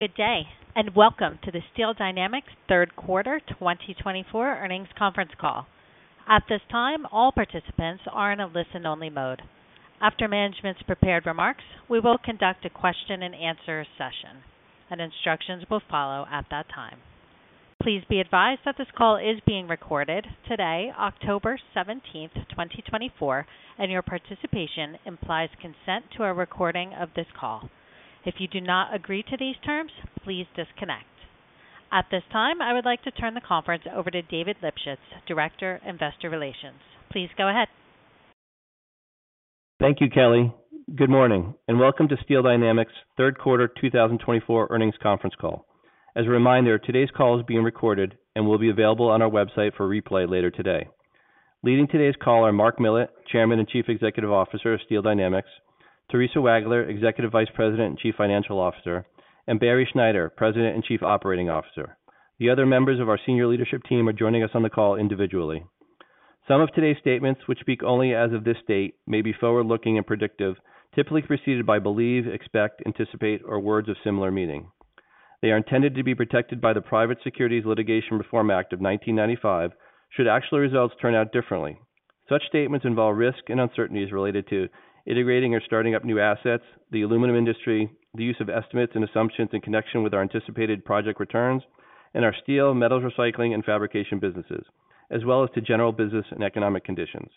Good day, and welcome to the Steel Dynamics Third Quarter 2024 Earnings Conference Call. At this time, all participants are in a listen-only mode. After management's prepared remarks, we will conduct a question-and-answer session, and instructions will follow at that time. Please be advised that this call is being recorded today, October seventeenth, 2024, and your participation implies consent to a recording of this call. If you do not agree to these terms, please disconnect. At this time, I would like to turn the conference over to David Lipschitz, Director, Investor Relations. Please go ahead. Thank you, Kelly. Good morning, and welcome to Steel Dynamics Third Quarter 2024 Earnings Conference Call. As a reminder, today's call is being recorded and will be available on our website for replay later today. Leading today's call are Mark Millett, Chairman and Chief Executive Officer of Steel Dynamics, Theresa Wagler, Executive Vice President and Chief Financial Officer, and Barry Schneider, President and Chief Operating Officer. The other members of our senior leadership team are joining us on the call individually. Some of today's statements, which speak only as of this date, may be forward-looking and predictive, typically preceded by believe, expect, anticipate, or words of similar meaning. They are intended to be protected by the Private Securities Litigation Reform Act of 1995, should actual results turn out differently. Such statements involve risks and uncertainties related to integrating or starting up new assets, the aluminum industry, the use of estimates and assumptions in connection with our anticipated project returns, and our steel, metals, recycling, and fabrication businesses, as well as to general business and economic conditions.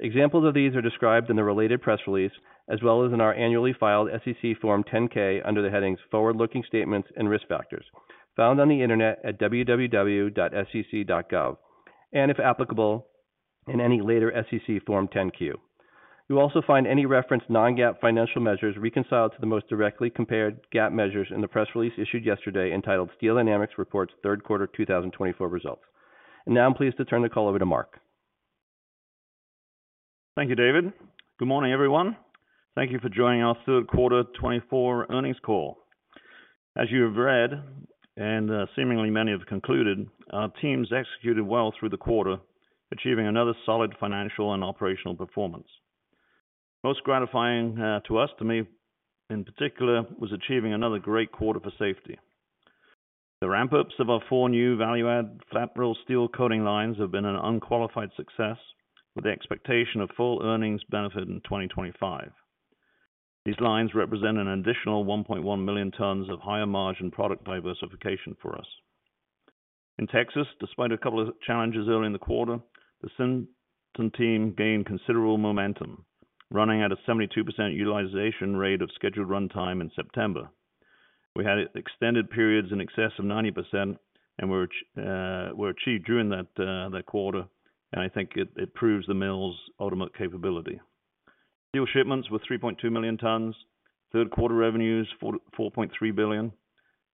Examples of these are described in the related press release, as well as in our annually filed SEC Form 10-K under the headings Forward-Looking Statements and Risk Factors, found on the Internet at www.sec.gov, and, if applicable, in any later SEC Form 10-Q. You'll also find any reference non-GAAP financial measures reconciled to the most directly compared GAAP measures in the press release issued yesterday, entitled Steel Dynamics Reports Third Quarter 2024 Results. And now I'm pleased to turn the call over to Mark. Thank you, David. Good morning, everyone. Thank you for joining our third quarter 2024 earnings call. As you have read, and seemingly many have concluded, our teams executed well through the quarter, achieving another solid financial and operational performance. Most gratifying, to us, to me in particular, was achieving another great quarter for safety. The ramp-ups of our four new value-add flat-roll steel coating lines have been an unqualified success, with the expectation of full earnings benefit in 2025. These lines represent an additional 1.1 million tons of higher-margin product diversification for us. In Texas, despite a couple of challenges early in the quarter, the Sinton team gained considerable momentum, running at a 72% utilization rate of scheduled runtime in September. We had extended periods in excess of 90%, and were achieved during that quarter, and I think it proves the mill's ultimate capability. Steel shipments were 3.2 million tons, third-quarter revenues $4.3 billion.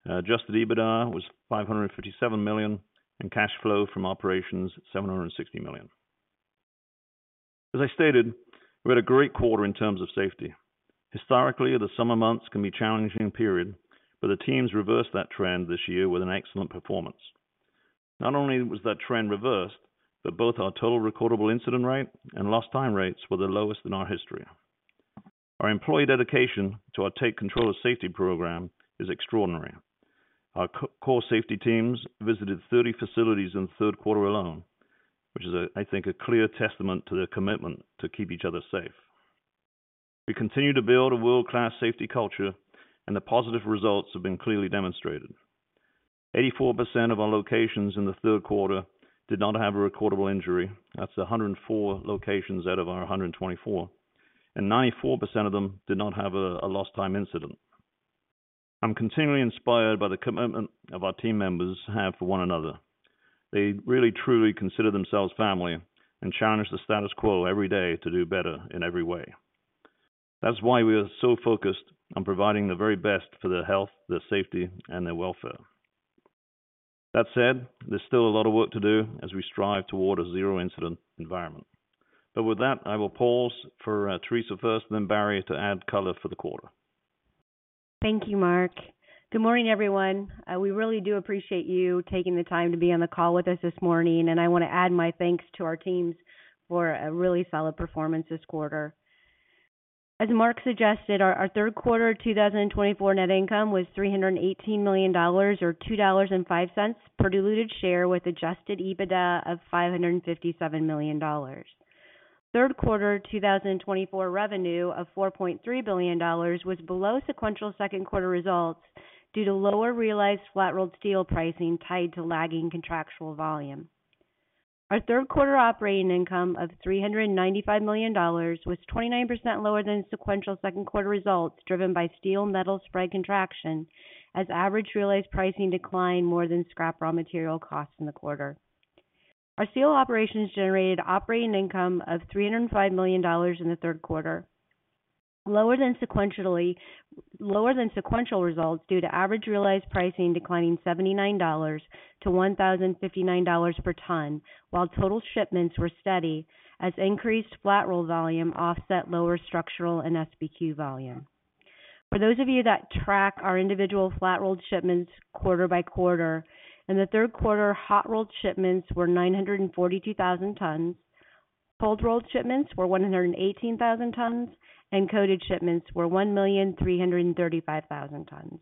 Adjusted EBITDA was $557 million, and cash flow from operations $760 million. As I stated, we had a great quarter in terms of safety. Historically, the summer months can be a challenging period, but the teams reversed that trend this year with an excellent performance. Not only was that trend reversed, but both our total recordable incident rate and lost time rates were the lowest in our history. Our employee dedication to our Take Control of Safety program is extraordinary. Our core safety teams visited thirty facilities in the third quarter alone, which is, I think, a clear testament to their commitment to keep each other safe. We continue to build a world-class safety culture, and the positive results have been clearly demonstrated. 84% of our locations in the third quarter did not have a recordable injury. That's 104 locations out of our 124, and 94% of them did not have a lost time incident. I'm continually inspired by the commitment of our team members have for one another. They really, truly consider themselves family and challenge the status quo every day to do better in every way. That's why we are so focused on providing the very best for their health, their safety, and their welfare. That said, there's still a lot of work to do as we strive toward a zero-incident environment. But with that, I will pause for Theresa first, and then Barry, to add color for the quarter. Thank you, Mark. Good morning, everyone. We really do appreciate you taking the time to be on the call with us this morning, and I want to add my thanks to our teams for a really solid performance this quarter. As Mark suggested, our third quarter 2024 net income was $318 million, or $2.05 per diluted share, with adjusted EBITDA of $557 million. Third quarter 2024 revenue of $4.3 billion was below sequential second quarter results due to lower realized flat-rolled steel pricing tied to lagging contractual volume. Our third quarter operating income of $395 million was 29% lower than sequential second quarter results, driven by steel metal spread contraction, as average realized pricing declined more than scrap raw material costs in the quarter. Our steel operations generated operating income of $305 million in the third quarter, lower than sequential results due to average realized pricing declining $79-$1,059 per ton, while total shipments were steady as increased flat-rolled volume offset lower structural and SBQ volume. For those of you that track our individual flat-rolled shipments quarter by quarter, in the third quarter, hot-rolled shipments were 942,000 tons. Cold-rolled shipments were 118,000 tons, and coated shipments were 1,335,000 tons.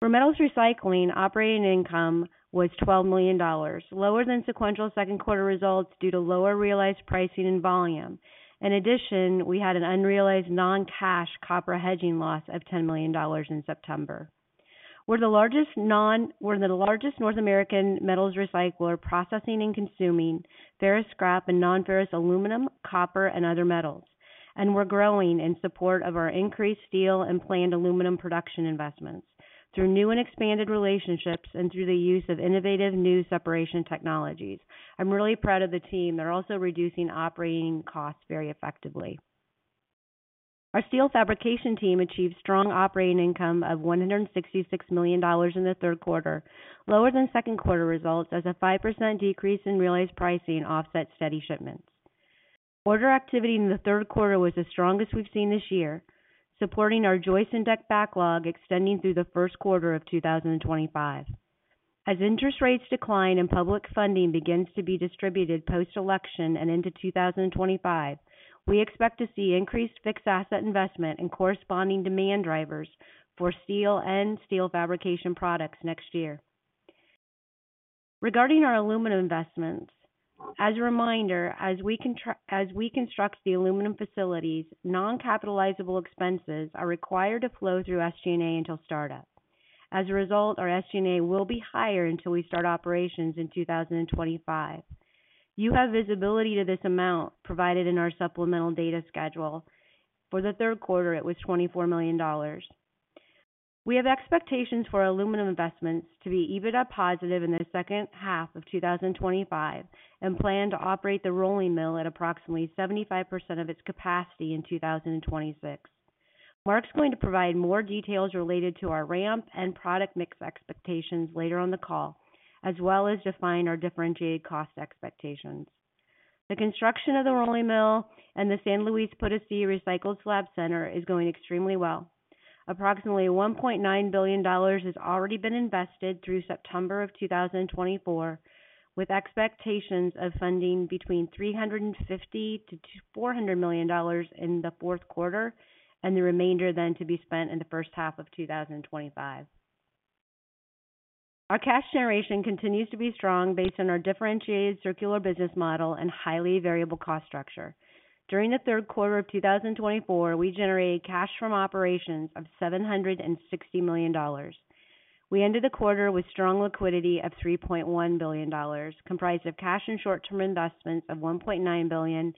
For metals recycling, operating income was $12 million, lower than sequential second quarter results due to lower realized pricing and volume. In addition, we had an unrealized non-cash copper hedging loss of $10 million in September. We're the largest North American metals recycler, processing and consuming ferrous scrap and non-ferrous aluminum, copper, and other metals, and we're growing in support of our increased steel and planned aluminum production investments through new and expanded relationships and through the use of innovative new separation technologies. I'm really proud of the team. They're also reducing operating costs very effectively. Our steel fabrication team achieved strong operating income of $166 million in the third quarter, lower than second quarter results, as a 5% decrease in realized pricing offset steady shipments. Order activity in the third quarter was the strongest we've seen this year, supporting our joist and deck backlog extending through the first quarter of 2025. As interest rates decline and public funding begins to be distributed post-election and into 2025, we expect to see increased fixed asset investment and corresponding demand drivers for steel and steel fabrication products next year. Regarding our aluminum investments, as a reminder, as we construct the aluminum facilities, non-capitalizable expenses are required to flow through SG&A until startup. As a result, our SG&A will be higher until we start operations in 2025. You have visibility to this amount provided in our supplemental data schedule. For the third quarter, it was $24 million. We have expectations for aluminum investments to be EBITDA positive in the second half of 2025, and plan to operate the rolling mill at approximately 75% of its capacity in 2026. Mark's going to provide more details related to our ramp and product mix expectations later on the call, as well as define our differentiated cost expectations. The construction of the rolling mill and the San Luis Potosí Recycled Slab Center is going extremely well. Approximately $1.9 billion has already been invested through September of 2024, with expectations of funding between $350 million and $400 million in the fourth quarter and the remainder then to be spent in the first half of 2025. Our cash generation continues to be strong based on our differentiated circular business model and highly variable cost structure. During the third quarter of 2024, we generated cash from operations of $760 million. We ended the quarter with strong liquidity of $3.1 billion, comprised of cash and short-term investments of $1.9 billion,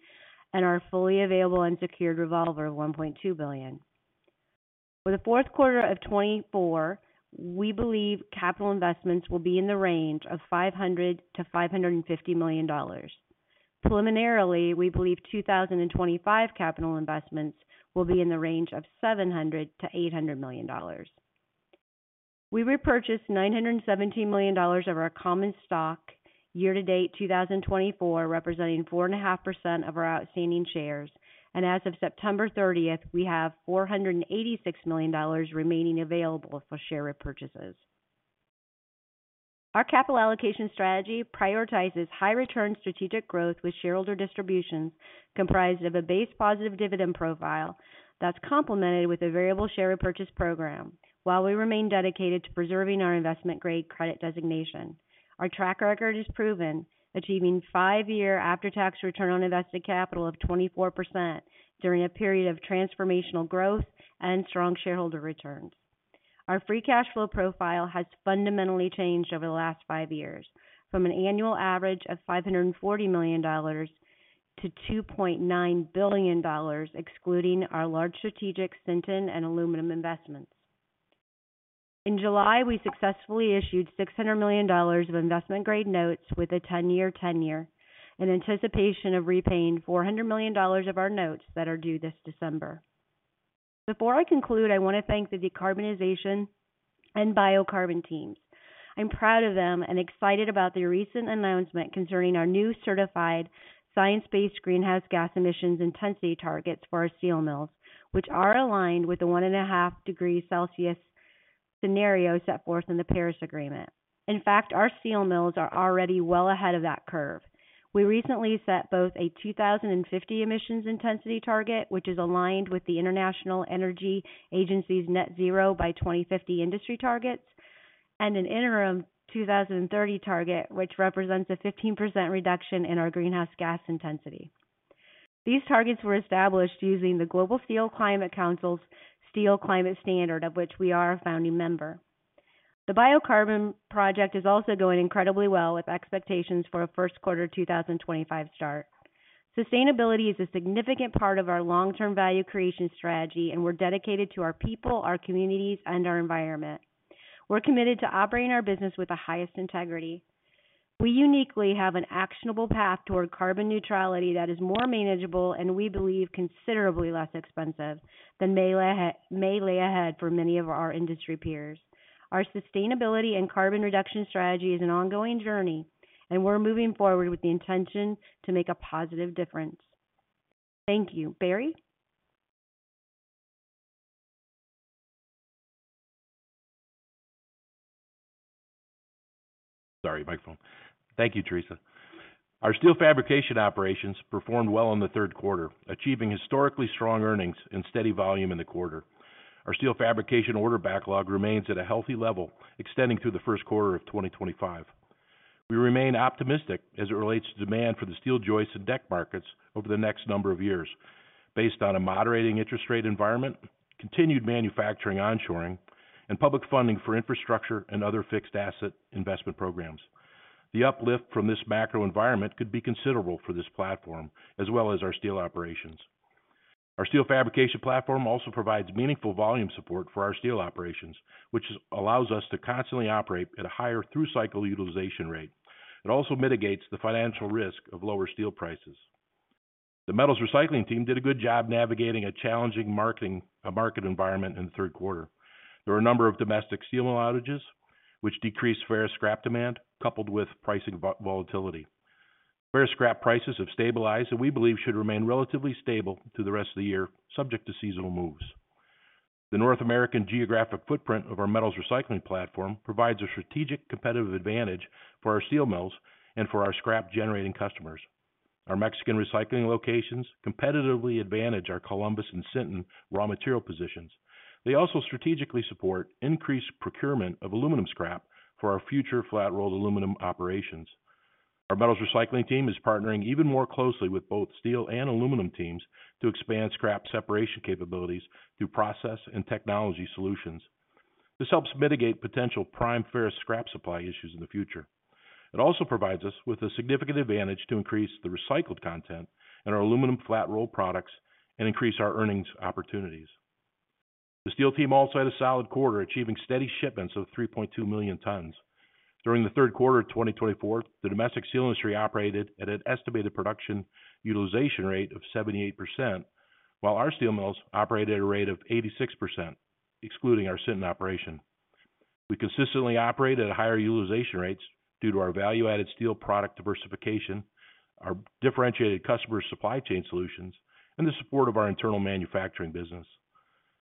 and our fully available unsecured revolver of $1.2 billion. For the fourth quarter of 2024, we believe capital investments will be in the range of $500 million-$550 million. Preliminarily, we believe 2025 capital investments will be in the range of $700 million-$800 million. We repurchased $917 million of our common stock year to date, 2024, representing 4.5% of our outstanding shares, and as of September 13, we have $486 million remaining available for share repurchases. Our capital allocation strategy prioritizes high return strategic growth, with shareholder distributions comprised of a base positive dividend profile that's complemented with a variable share repurchase program, while we remain dedicated to preserving our investment-grade credit designation. Our track record is proven, achieving five-year after-tax return on invested capital of 24% during a period of transformational growth and strong shareholder returns. Our free cash flow profile has fundamentally changed over the last five years, from an annual average of $540 million to $2.9 billion, excluding our large strategic Sinton and aluminum investments. In July, we successfully issued $600 million of investment-grade notes with a ten-year tenure, in anticipation of repaying $400 million of our notes that are due this December. Before I conclude, I want to thank the decarbonization and biocarbon teams. I'm proud of them and excited about their recent announcement concerning our new certified science-based greenhouse gas emissions intensity targets for our steel mills, which are aligned with the 1.5-degree Celsius scenario set forth in the Paris Agreement. In fact, our steel mills are already well ahead of that curve. We recently set both a 2050 emissions intensity target, which is aligned with the International Energy Agency's net zero by 2050 industry targets, and an interim 2030 target, which represents a 15% reduction in our greenhouse gas intensity. These targets were established using the Global Steel Climate Council's Steel Climate Standard, of which we are a founding member. The Biocarbon project is also doing incredibly well, with expectations for a first quarter 2025 start. Sustainability is a significant part of our long-term value creation strategy, and we're dedicated to our people, our communities, and our environment. We're committed to operating our business with the highest integrity. We uniquely have an actionable path toward carbon neutrality that is more manageable and we believe considerably less expensive than may lay ahead for many of our industry peers. Our sustainability and carbon reduction strategy is an ongoing journey, and we're moving forward with the intention to make a positive difference. Thank you. Barry? Sorry, microphone. Thank you, Theresa. Our steel fabrication operations performed well in the third quarter, achieving historically strong earnings and steady volume in the quarter. Our steel fabrication order backlog remains at a healthy level, extending through the first quarter of 2025. We remain optimistic as it relates to demand for the steel joists and deck markets over the next number of years, based on a moderating interest rate environment, continued manufacturing onshoring, and public funding for infrastructure and other fixed asset investment programs. The uplift from this macro environment could be considerable for this platform, as well as our steel operations. Our steel fabrication platform also provides meaningful volume support for our steel operations, which allows us to constantly operate at a higher through-cycle utilization rate. It also mitigates the financial risk of lower steel prices. The metals recycling team did a good job navigating a challenging market environment in the third quarter. There were a number of domestic steel outages, which decreased ferrous scrap demand, coupled with pricing volatility. Ferrous scrap prices have stabilized, and we believe should remain relatively stable through the rest of the year, subject to seasonal moves. The North American geographic footprint of our metals recycling platform provides a strategic competitive advantage for our steel mills and for our scrap-generating customers. Our Mexican recycling locations competitively advantage our Columbus and Sinton raw material positions. They also strategically support increased procurement of aluminum scrap for our future flat rolled aluminum operations. Our metals recycling team is partnering even more closely with both steel and aluminum teams to expand scrap separation capabilities through process and technology solutions. This helps mitigate potential prime ferrous scrap supply issues in the future. It also provides us with a significant advantage to increase the recycled content in our aluminum flat roll products and increase our earnings opportunities. The steel team also had a solid quarter, achieving steady shipments of 3.2 million tons. During the third quarter of 2024, the domestic steel industry operated at an estimated production utilization rate of 78%, while our steel mills operated at a rate of 86%, excluding our Sinton operation. We consistently operate at higher utilization rates due to our value-added steel product diversification, our differentiated customer supply chain solutions, and the support of our internal manufacturing business.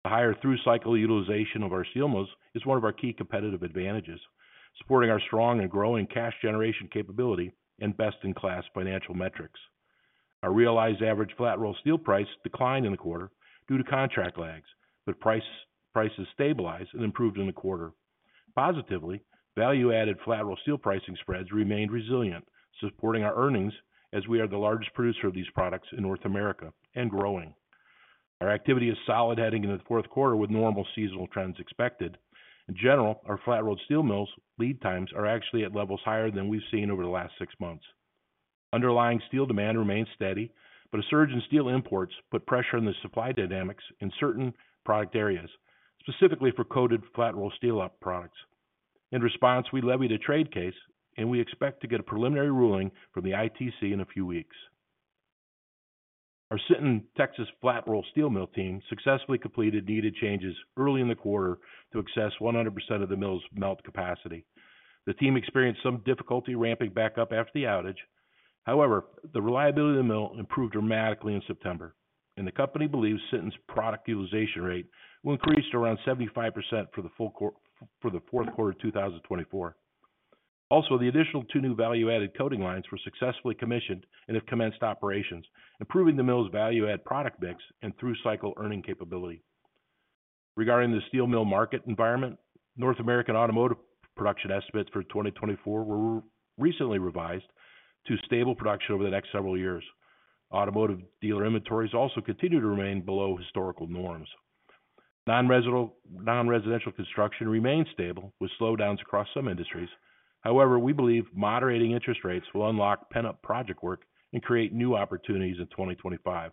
The higher through-cycle utilization of our steel mills is one of our key competitive advantages, supporting our strong and growing cash generation capability and best-in-class financial metrics. Our realized average flat-rolled steel price declined in the quarter due to contract lags, but price, prices stabilized and improved in the quarter. Positively, value-added flat-rolled steel pricing spreads remained resilient, supporting our earnings, as we are the largest producer of these products in North America, and growing. Our activity is solid heading into the fourth quarter with normal seasonal trends expected. In general, our flat-rolled steel mills lead times are actually at levels higher than we've seen over the last six months. Underlying steel demand remains steady, but a surge in steel imports put pressure on the supply dynamics in certain product areas, specifically for coated flat-rolled steel products. In response, we levied a trade case, and we expect to get a preliminary ruling from the ITC in a few weeks. Our Sinton, Texas, flat roll steel mill team successfully completed needed changes early in the quarter to access 100% of the mill's melt capacity. The team experienced some difficulty ramping back up after the outage. However, the reliability of the mill improved dramatically in September, and the company believes Sinton's product utilization rate will increase to around 75% for the full quarter for the fourth quarter of 2024. Also, the additional two new value-added coating lines were successfully commissioned and have commenced operations, improving the mill's value-add product mix and through-cycle earning capability. Regarding the steel mill market environment, North American automotive production estimates for 2024 were recently revised to stable production over the next several years. Automotive dealer inventories also continue to remain below historical norms. Non-residential construction remains stable, with slowdowns across some industries. However, we believe moderating interest rates will unlock pent-up project work and create new opportunities in 2025.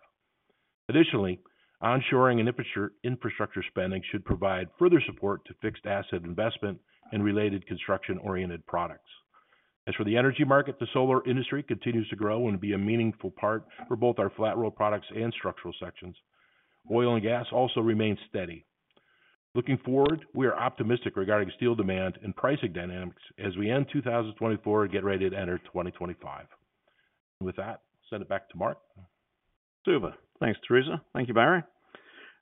Additionally, onshoring and infrastructure spending should provide further support to fixed asset investment and related construction-oriented products. As for the energy market, the solar industry continues to grow and be a meaningful part for both our flat roll products and structural sections. Oil and gas also remain steady. Looking forward, we are optimistic regarding steel demand and pricing dynamics as we end 2024 and get ready to enter 2025. And with that, I'll send it back to Mark. Super. Thanks, Theresa. Thank you, Barry.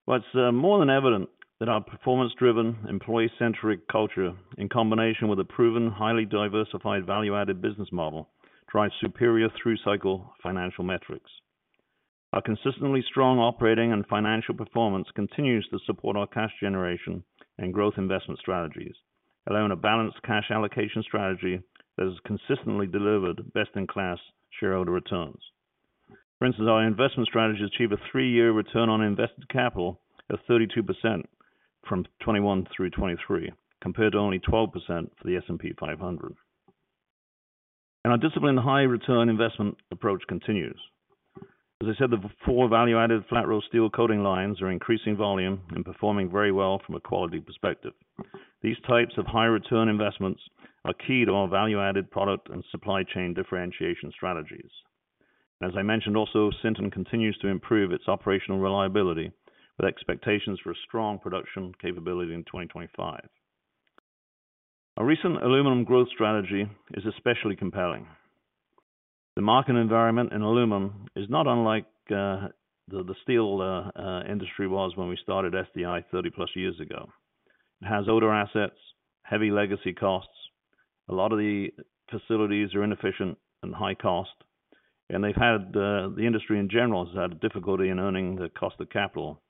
Well, it's more than evident that our performance-driven, employee-centric culture, in combination with a proven, highly diversified, value-added business model, drives superior through-cycle financial metrics. Our consistently strong operating and financial performance continues to support our cash generation and growth investment strategies, allowing a balanced cash allocation strategy that has consistently delivered best-in-class shareholder returns. For instance, our investment strategy achieved a three-year return on invested capital of 32% from 2021 through 2023, compared to only 12% for the S&P 500, and our disciplined high return investment approach continues. As I said, the four value-added flat-rolled steel coating lines are increasing volume and performing very well from a quality perspective. These types of high return investments are key to our value-added product and supply chain differentiation strategies. As I mentioned, also, Sinton continues to improve its operational reliability, with expectations for a strong production capability in 2025. Our recent aluminum growth strategy is especially compelling. The market environment in aluminum is not unlike the steel industry was when we started SDI 30+ years ago. It has older assets, heavy legacy costs. A lot of the facilities are inefficient and high cost, and the industry in general has had difficulty in earning the cost of capital,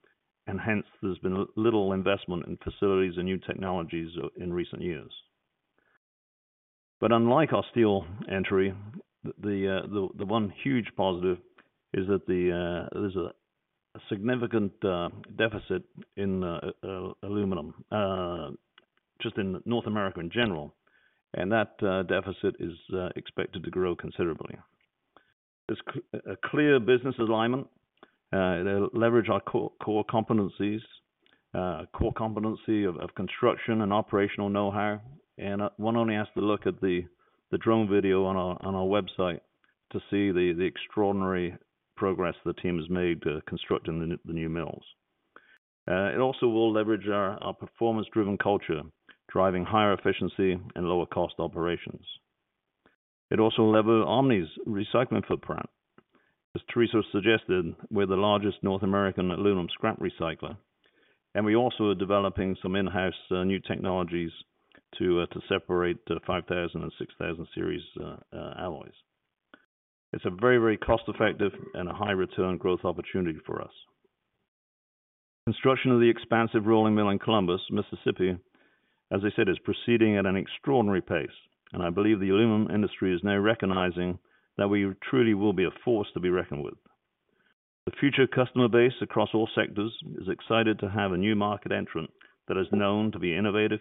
and hence, there's been little investment in facilities and new technologies in recent years. But unlike our steel entry, the one huge positive is that there's a significant deficit in aluminum just in North America in general, and that deficit is expected to grow considerably. There's a clear business alignment. It'll leverage our core competencies of construction and operational know-how. One only has to look at the drone video on our website to see the extraordinary progress the team has made constructing the new mills. It also will leverage our performance-driven culture, driving higher efficiency and lower cost operations. It also leverages Omni's recycling footprint. As Theresa suggested, we're the largest North American aluminum scrap recycler, and we also are developing some in-house new technologies to separate the 5000 and 6000 series alloys. It's a very, very cost-effective and a high-return growth opportunity for us. Construction of the expansive rolling mill in Columbus, Mississippi, as I said, is proceeding at an extraordinary pace, and I believe the aluminum industry is now recognizing that we truly will be a force to be reckoned with. The future customer base across all sectors is excited to have a new market entrant that is known to be innovative,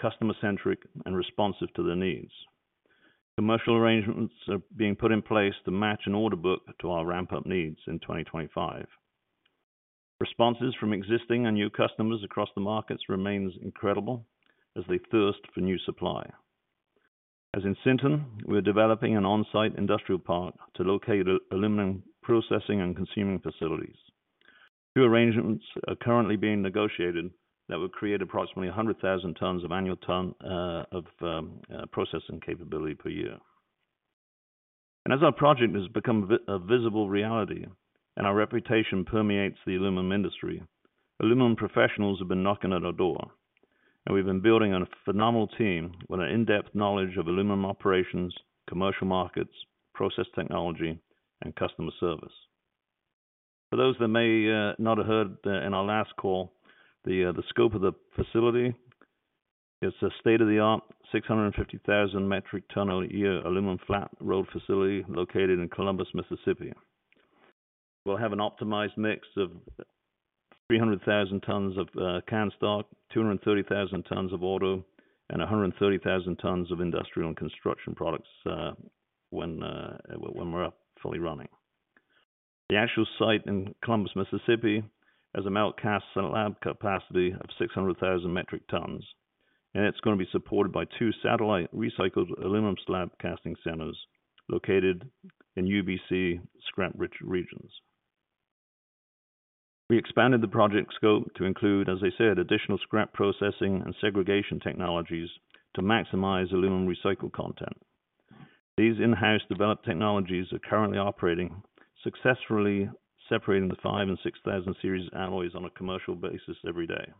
customer-centric, and responsive to their needs. Commercial arrangements are being put in place to match an order book to our ramp-up needs in 2025. Responses from existing and new customers across the markets remains incredible as they thirst for new supply. As in Sinton, we're developing an on-site industrial park to locate aluminum processing and consuming facilities. Two arrangements are currently being negotiated that would create approximately 100,000 tons of annual ton of processing capability per year. And as our project has become a visible reality and our reputation permeates the aluminum industry, aluminum professionals have been knocking at our door, and we've been building a phenomenal team with an in-depth knowledge of aluminum operations, commercial markets, process technology, and customer service. For those that may not have heard in our last call, the scope of the facility, it's a state-of-the-art, 650,000 metric ton a year, aluminum flat-rolled facility located in Columbus, Mississippi. We'll have an optimized mix of 300,000 tons of can stock, 230,000 tons of auto, and 130,000 tons of industrial and construction products, when we're up fully running. The actual site in Columbus, Mississippi, has a melt cast slab capacity of 600,000 metric tons, and it's going to be supported by two satellite recycled aluminum slab casting centers located in UBC scrap-rich regions. We expanded the project scope to include, as I said, additional scrap processing and segregation technologies to maximize aluminum recycled content. These in-house developed technologies are currently operating successfully, separating the 5,000 and 6,000 Series Alloys on a commercial basis every day.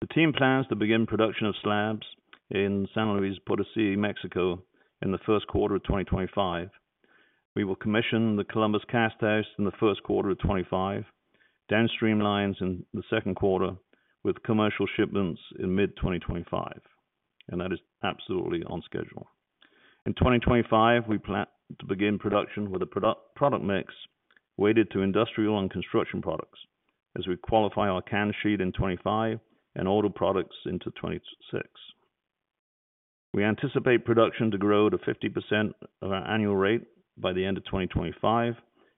The team plans to begin production of slabs in San Luis Potosí, Mexico, in the first quarter of 2025. We will commission the Columbus cast house in the first quarter of 2025, downstream lines in the second quarter, with commercial shipments in mid-2025, and that is absolutely on schedule. In 2025, we plan to begin production with a product mix weighted to industrial and construction products as we qualify our can sheet in 2025 and auto products into 2026. We anticipate production to grow to 50% of our annual rate by the end of 2025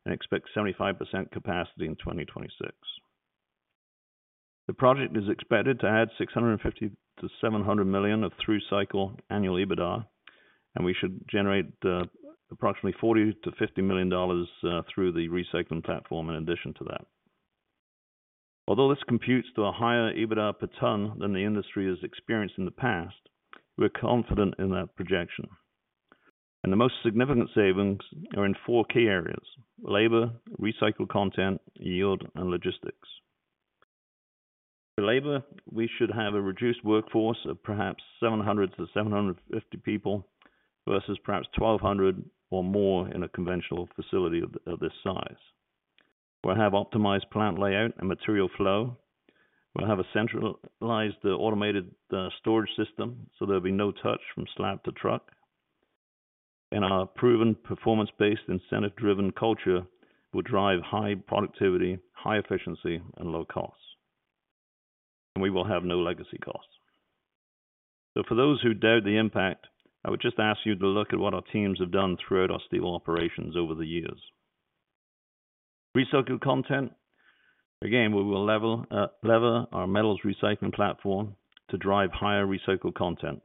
and expect 75% capacity in 2026. The project is expected to add $650-700 million of through-cycle annual EBITDA, and we should generate approximately $40-$50 million through the recycling platform in addition to that. Although this computes to a higher EBITDA per ton than the industry has experienced in the past, we're confident in that projection, and the most significant savings are in four key areas: labor, recycled content, yield, and logistics. The labor, we should have a reduced workforce of perhaps 700-750 people versus perhaps 1,200 or more in a conventional facility of this size. We'll have optimized plant layout and material flow. We'll have a centralized automated storage system, so there'll be no touch from slab to truck. And our proven performance-based, incentive-driven culture will drive high productivity, high efficiency, and low costs, and we will have no legacy costs. So for those who doubt the impact, I would just ask you to look at what our teams have done throughout our steel operations over the years. Recycled content. Again, we will leverage our metals recycling platform to drive higher recycled content.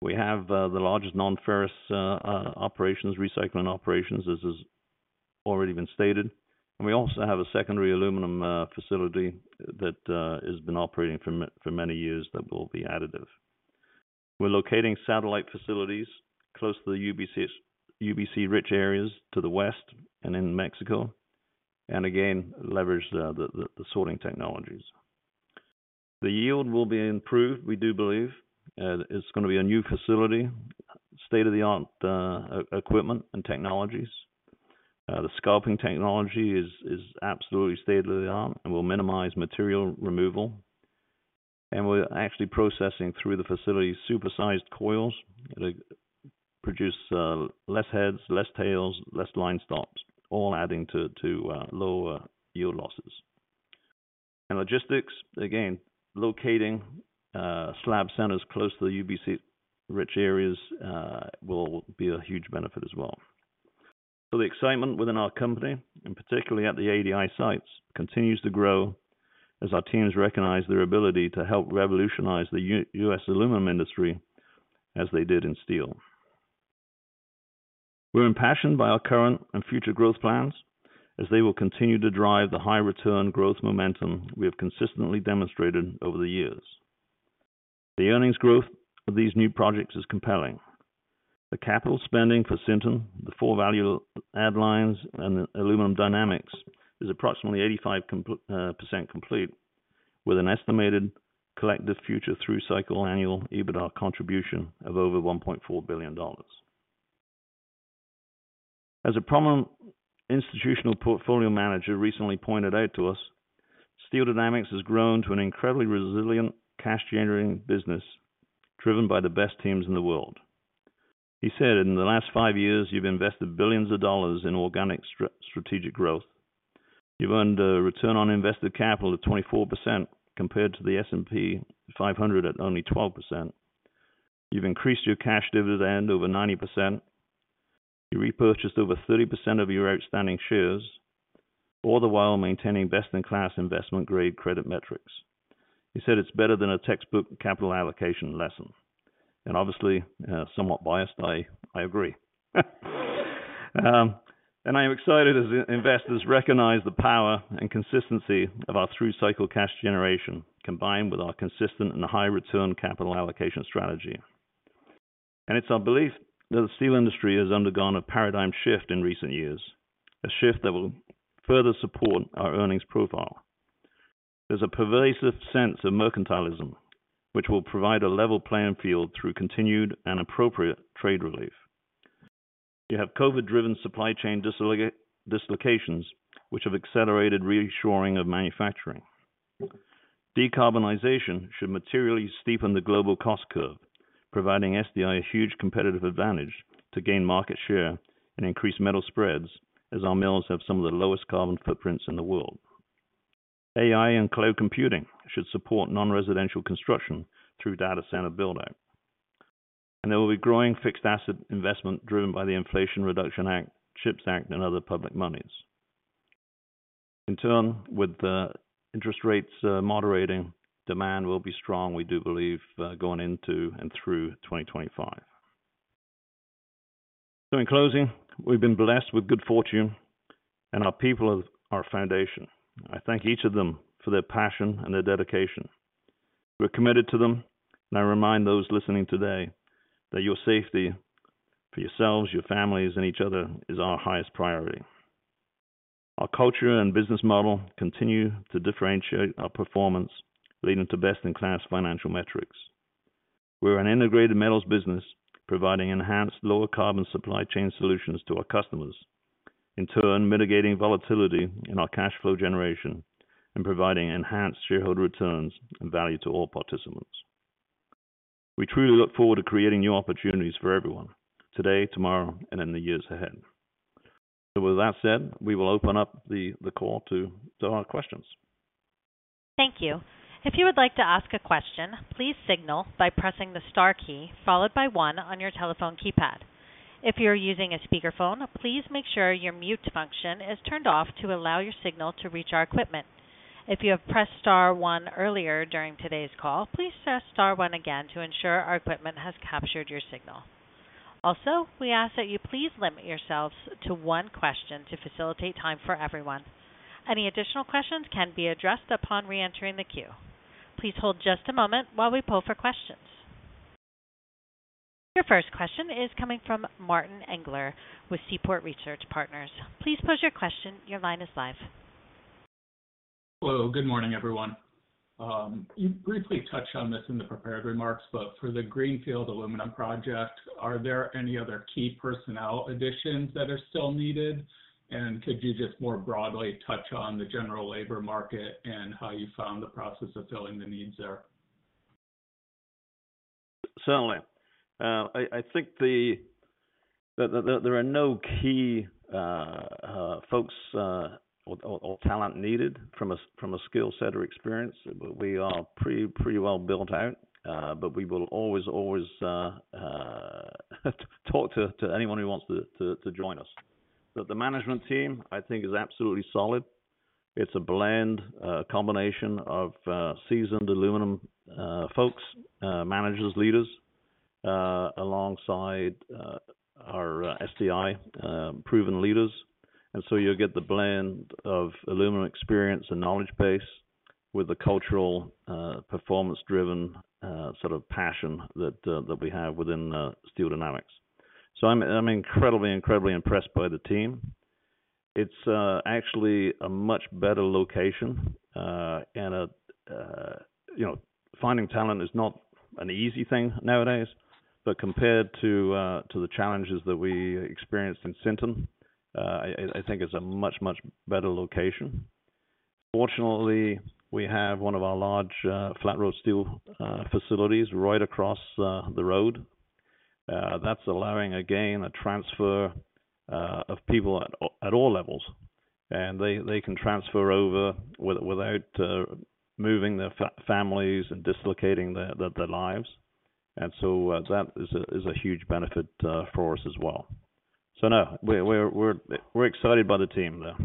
We have the largest non-ferrous recycling operations. This is already been stated, and we also have a secondary aluminum facility that has been operating for many years that will be additive. We're locating satellite facilities close to the UBC-rich areas to the west and in Mexico, and again, leverage the sorting technologies. The yield will be improved, we do believe. It's gonna be a new facility, state-of-the-art equipment and technologies. The scalping technology is absolutely state-of-the-art, and will minimize material removal. And we're actually processing, through the facility, super-sized coils. They produce less heads, less tails, less line stops, all adding to lower yield losses. And logistics, again, locating slab centers close to the UBC-rich areas will be a huge benefit as well. So the excitement within our company, and particularly at the ADI sites, continues to grow as our teams recognize their ability to help revolutionize the U.S. aluminum industry as they did in steel. We're impassioned by our current and future growth plans as they will continue to drive the high return growth momentum we have consistently demonstrated over the years. The earnings growth of these new projects is compelling. The capital spending for Sinton, the four value add lines and the Aluminum Dynamics, is approximately 85% complete, with an estimated collective future through-cycle annual EBITDA contribution of over $1.4 billion. As a prominent institutional portfolio manager recently pointed out to us, Steel Dynamics has grown to an incredibly resilient, cash-generating business, driven by the best teams in the world. He said, "In the last five years, you've invested billions of dollars in organic strategic growth. You've earned a return on invested capital of 24%, compared to the S&P 500 at only 12%. You've increased your cash dividend over 90%. You repurchased over 30% of your outstanding shares, all the while maintaining best-in-class investment-grade credit metrics." He said, "It's better than a textbook capital allocation lesson." Obviously, somewhat biased, I agree. I am excited as investors recognize the power and consistency of our through-cycle cash generation, combined with our consistent and high return capital allocation strategy. It's our belief that the steel industry has undergone a paradigm shift in recent years, a shift that will further support our earnings profile. There's a pervasive sense of mercantilism, which will provide a level playing field through continued and appropriate trade relief. You have COVID-driven supply chain dislocations, which have accelerated reshoring of manufacturing. Decarbonization should materially steepen the global cost curve, providing SDI a huge competitive advantage to gain market share and increase metal spreads, as our mills have some of the lowest carbon footprints in the world. AI and cloud computing should support non-residential construction through data center build-out, and there will be growing fixed asset investment driven by the Inflation Reduction Act, CHIPS Act, and other public monies. In turn, with the interest rates moderating, demand will be strong, we do believe, going into and through 2025, so in closing, we've been blessed with good fortune, and our people are our foundation. I thank each of them for their passion and their dedication. We're committed to them, and I remind those listening today, that your safety for yourselves, your families, and each other is our highest priority. Our culture and business model continue to differentiate our performance, leading to best-in-class financial metrics. We're an integrated metals business, providing enhanced lower carbon supply chain solutions to our customers. In turn, mitigating volatility in our cash flow generation and providing enhanced shareholder returns and value to all participants. We truly look forward to creating new opportunities for everyone, today, tomorrow, and in the years ahead. So with that said, we will open up the call to our questions. Thank you. If you would like to ask a question, please signal by pressing the star key, followed by one on your telephone keypad. If you're using a speakerphone, please make sure your mute function is turned off to allow your signal to reach our equipment. If you have pressed star one earlier during today's call, please press star one again to ensure our equipment has captured your signal. Also, we ask that you please limit yourselves to one question to facilitate time for everyone. Any additional questions can be addressed upon reentering the queue. Please hold just a moment while we poll for questions. Your first question is coming from Martin Englert with Seaport Research Partners. Please pose your question. Your line is live. Hello, good morning, everyone. You briefly touched on this in the prepared remarks, but for the Greenfield Aluminum project, are there any other key personnel additions that are still needed? And could you just more broadly touch on the general labor market and how you found the process of filling the needs there? Certainly. I think there are no key folks or talent needed from a skill set or experience. We are pretty well built out, but we will always talk to anyone who wants to join us, but the management team, I think, is absolutely solid. It's a blend combination of seasoned aluminum folks managers leaders alongside our SDI proven leaders, and so you'll get the blend of aluminum experience and knowledge base with the cultural performance-driven sort of passion that we have within Steel Dynamics, so I'm incredibly impressed by the team. It's actually a much better location, and, you know, finding talent is not an easy thing nowadays, but compared to the challenges that we experienced in Sinton, I think it's a much, much better location. Fortunately, we have one of our large flat-rolled steel facilities right across the road. That's allowing, again, a transfer of people at all levels, and they can transfer over without moving their families and dislocating their lives. And so, that is a huge benefit for us as well. So no, we're excited by the team, though.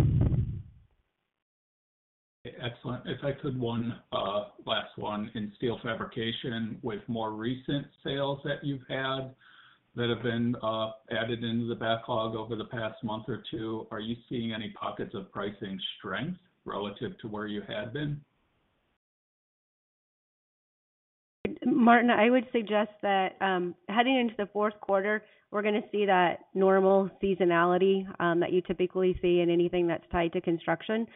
Excellent. If I could, one, last one. In steel fabrication, with more recent sales that you've had that have been, added into the backlog over the past month or two, are you seeing any pockets of pricing strength relative to where you had been? Martin, I would suggest that, heading into the fourth quarter, we're gonna see that normal seasonality, that you typically see in anything that's tied to construction.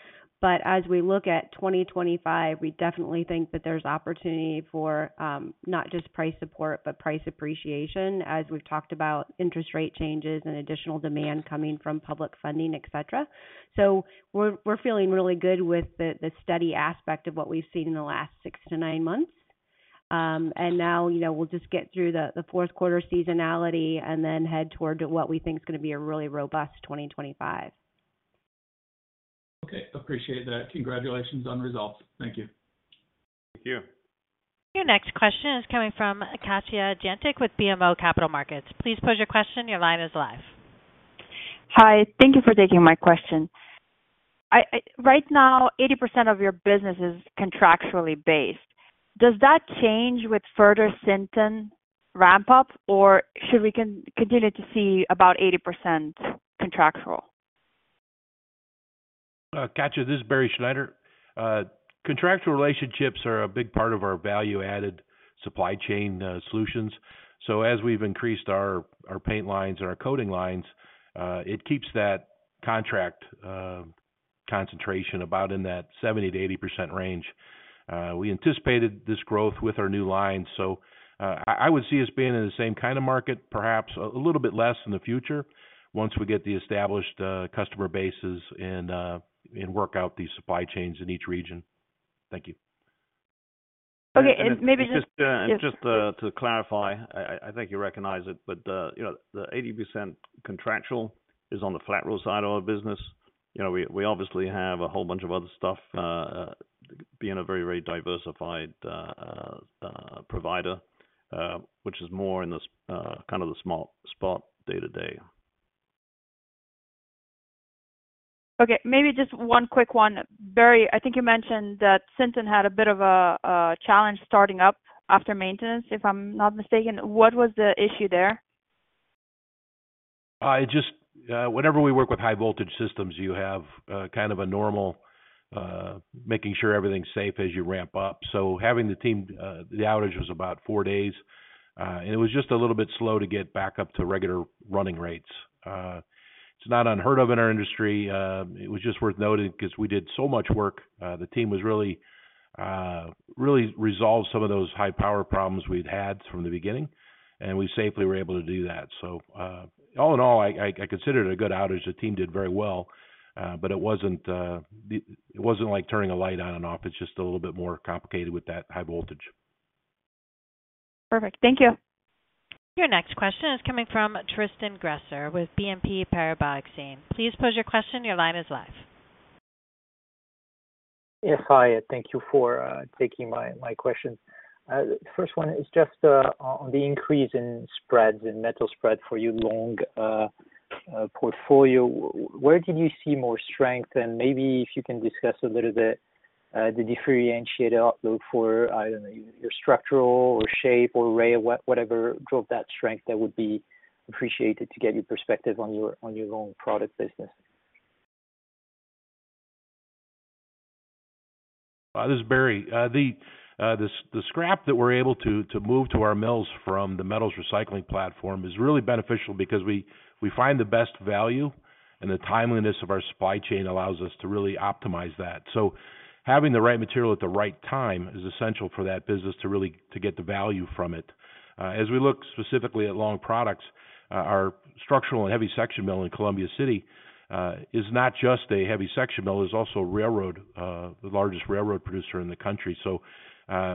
But as we look at 2025, we definitely think that there's opportunity for, not just price support, but price appreciation, as we've talked about interest rate changes and additional demand coming from public funding, et cetera. So we're feeling really good with the steady aspect of what we've seen in the last six to nine months. And now, you know, we'll just get through the fourth quarter seasonality and then head toward what we think is gonna be a really robust 2025. Okay, appreciate that. Congratulations on the results. Thank you. Thank you. Your next question is coming from Katja Jancic with BMO Capital Markets. Please pose your question. Your line is live. Hi, thank you for taking my question. Right now, 80% of your business is contractually based. Does that change with further Sinton ramp-up, or should we continue to see about 80% contractual? Katja, this is Barry Schneider. Contractual relationships are a big part of our value-added supply chain solutions. So as we've increased our paint lines and our coating lines, it keeps that contract concentration about in that 70%-80% range. We anticipated this growth with our new lines, so I would see us being in the same kind of market, perhaps a little bit less in the future, once we get the established customer bases and work out these supply chains in each region. Thank you. Okay, and maybe just- Just to clarify, I think you recognize it, but you know, the 80% contractual is on the flat roll side of our business. You know, we obviously have a whole bunch of other stuff being a very, very diversified provider, which is more in the kind of the small spot day-to-day. Okay, maybe just one quick one. Barry, I think you mentioned that Sinton had a bit of a challenge starting up after maintenance, if I'm not mistaken. What was the issue there? Just whenever we work with high-voltage systems, you have kind of a normal making sure everything's safe as you ramp up. So the outage was about four days, and it was just a little bit slow to get back up to regular running rates. It's not unheard of in our industry. It was just worth noting because we did so much work. The team really resolved some of those high-power problems we'd had from the beginning, and we safely were able to do that. All in all, I consider it a good outage. The team did very well, but it wasn't like turning a light on and off. It's just a little bit more complicated with that high voltage. Perfect. Thank you. Your next question is coming from Tristan Gresser with BNP Paribas Exane. Please pose your question. Your line is live. Yes, hi, and thank you for taking my question. First one is just on the increase in spreads, in metal spread for your long portfolio. Where did you see more strength? And maybe if you can discuss a little bit the differentiated outlook for your structural or shape or rail, whatever drove that strength, that would be appreciated to get your perspective on your own product business. This is Barry. The scrap that we're able to move to our mills from the metals recycling platform is really beneficial because we find the best value, and the timeliness of our supply chain allows us to really optimize that. So having the right material at the right time is essential for that business to really get the value from it. As we look specifically at long products, our structural and heavy section mill in Columbia City is not just a heavy section mill; it's also a railroad, the largest railroad producer in the country.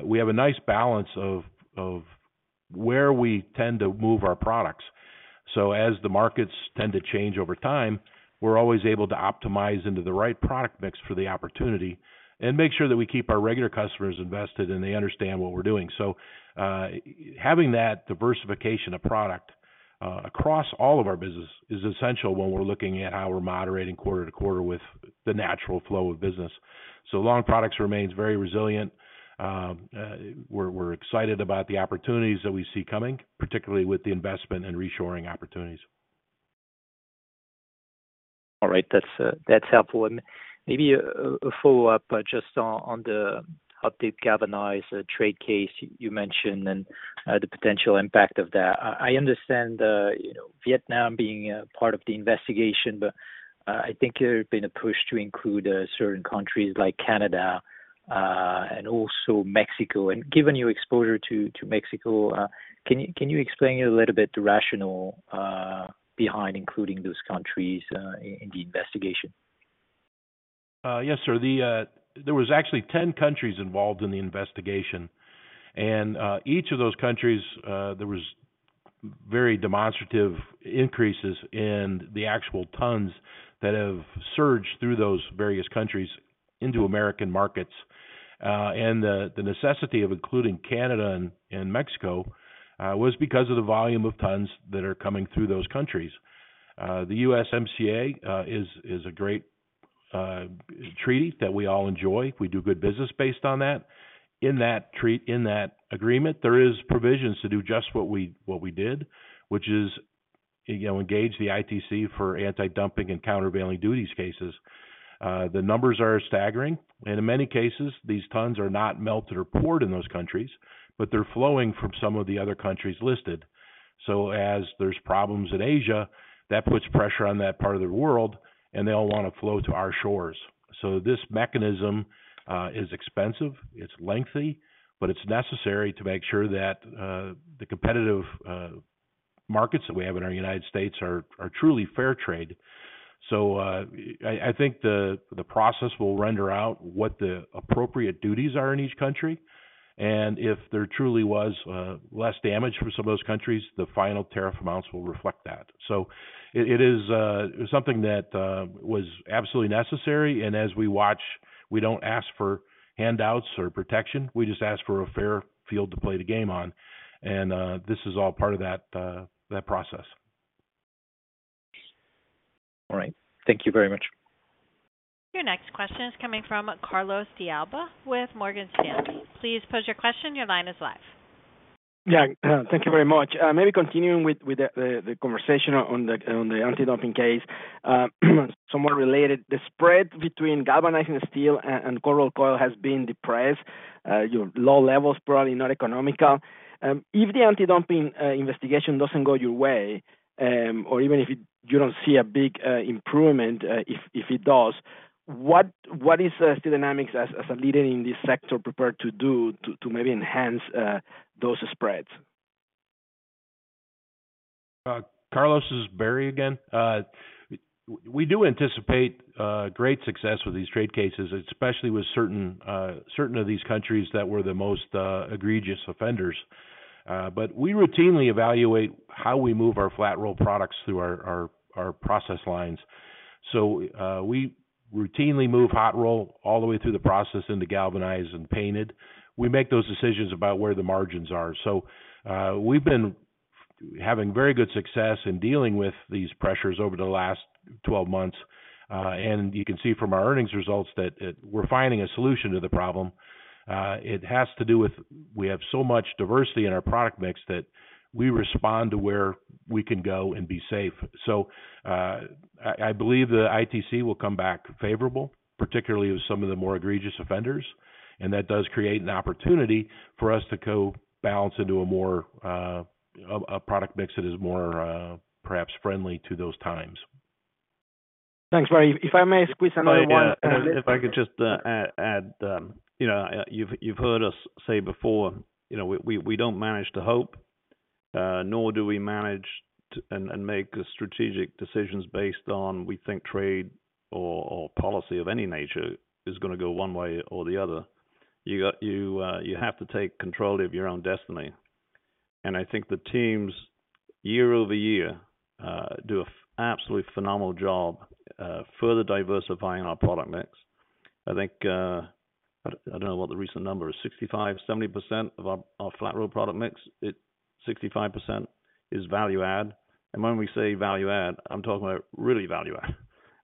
We have a nice balance of where we tend to move our products. As the markets tend to change over time, we're always able to optimize into the right product mix for the opportunity and make sure that we keep our regular customers invested, and they understand what we're doing. So, having that diversification of product across all of our business is essential when we're looking at how we're moderating quarter to quarter with the natural flow of business. Long products remains very resilient. We're excited about the opportunities that we see coming, particularly with the investment and reshoring opportunities. All right. That's helpful. And maybe a follow-up just on the updated galvanized trade case you mentioned, and the potential impact of that. I understand, you know, Vietnam being a part of the investigation, but I think there has been a push to include certain countries like Canada and also Mexico. And given your exposure to Mexico, can you explain a little bit the rationale behind including those countries in the investigation? Yes, sir. There was actually 10 countries involved in the investigation. Each of those countries, there was very demonstrable increases in the actual tons that have surged through those various countries into American markets. The necessity of including Canada and Mexico was because of the volume of tons that are coming through those countries. The USMCA is a great treaty that we all enjoy. We do good business based on that. In that agreement, there is provisions to do just what we did, which is, you know, engage the ITC for antidumping and countervailing duties cases. The numbers are staggering, and in many cases, these tons are not melted or poured in those countries, but they're flowing from some of the other countries listed. As there's problems in Asia, that puts pressure on that part of the world, and they all want to flow to our shores. So this mechanism is expensive, it's lengthy, but it's necessary to make sure that the competitive markets that we have in our United States are truly fair trade. So I think the process will render out what the appropriate duties are in each country, and if there truly was less damage from some of those countries, the final tariff amounts will reflect that. So it is something that was absolutely necessary, and as we watch, we don't ask for handouts or protection, we just ask for a fair field to play the game on. And this is all part of that process. All right. Thank you very much. Your next question is coming from Carlos de Alba with Morgan Stanley. Please pose your question. Your line is live. Yeah, thank you very much. Maybe continuing with the conversation on the antidumping case. Somewhere related, the spread between galvanizing steel and cold rolled coil has been depressed, you know, low levels, probably not economical. If the antidumping investigation doesn't go your way, or even if you don't see a big improvement, if it does, what is Steel Dynamics as a leader in this sector prepared to do to maybe enhance those spreads? Carlos, this is Barry again. We do anticipate great success with these trade cases, especially with certain of these countries that were the most egregious offenders. But we routinely evaluate how we move our flat roll products through our process lines. So, we routinely move hot roll all the way through the process into galvanized and painted. We make those decisions about where the margins are. So, we've been having very good success in dealing with these pressures over the last twelve months, and you can see from our earnings results that we're finding a solution to the problem. It has to do with we have so much diversity in our product mix that we respond to where we can go and be safe. I believe the ITC will come back favorable, particularly with some of the more egregious offenders, and that does create an opportunity for us to go balance into a more, a product mix that is more, perhaps friendly to those times. Thanks, Barry. If I may squeeze another one- If I could just add, you know, you've heard us say before, you know, we don't manage to hope, nor do we manage to, and make strategic decisions based on we think trade or policy of any nature is gonna go one way or the other. You have to take control of your own destiny. I think the teams, year-over-year, do absolutely phenomenal job, further diversifying our product mix. I think, I don't know what the recent number is, 65%-70% of our flat roll product mix. It. 65% is value add, and when we say value add, I'm talking about really value add.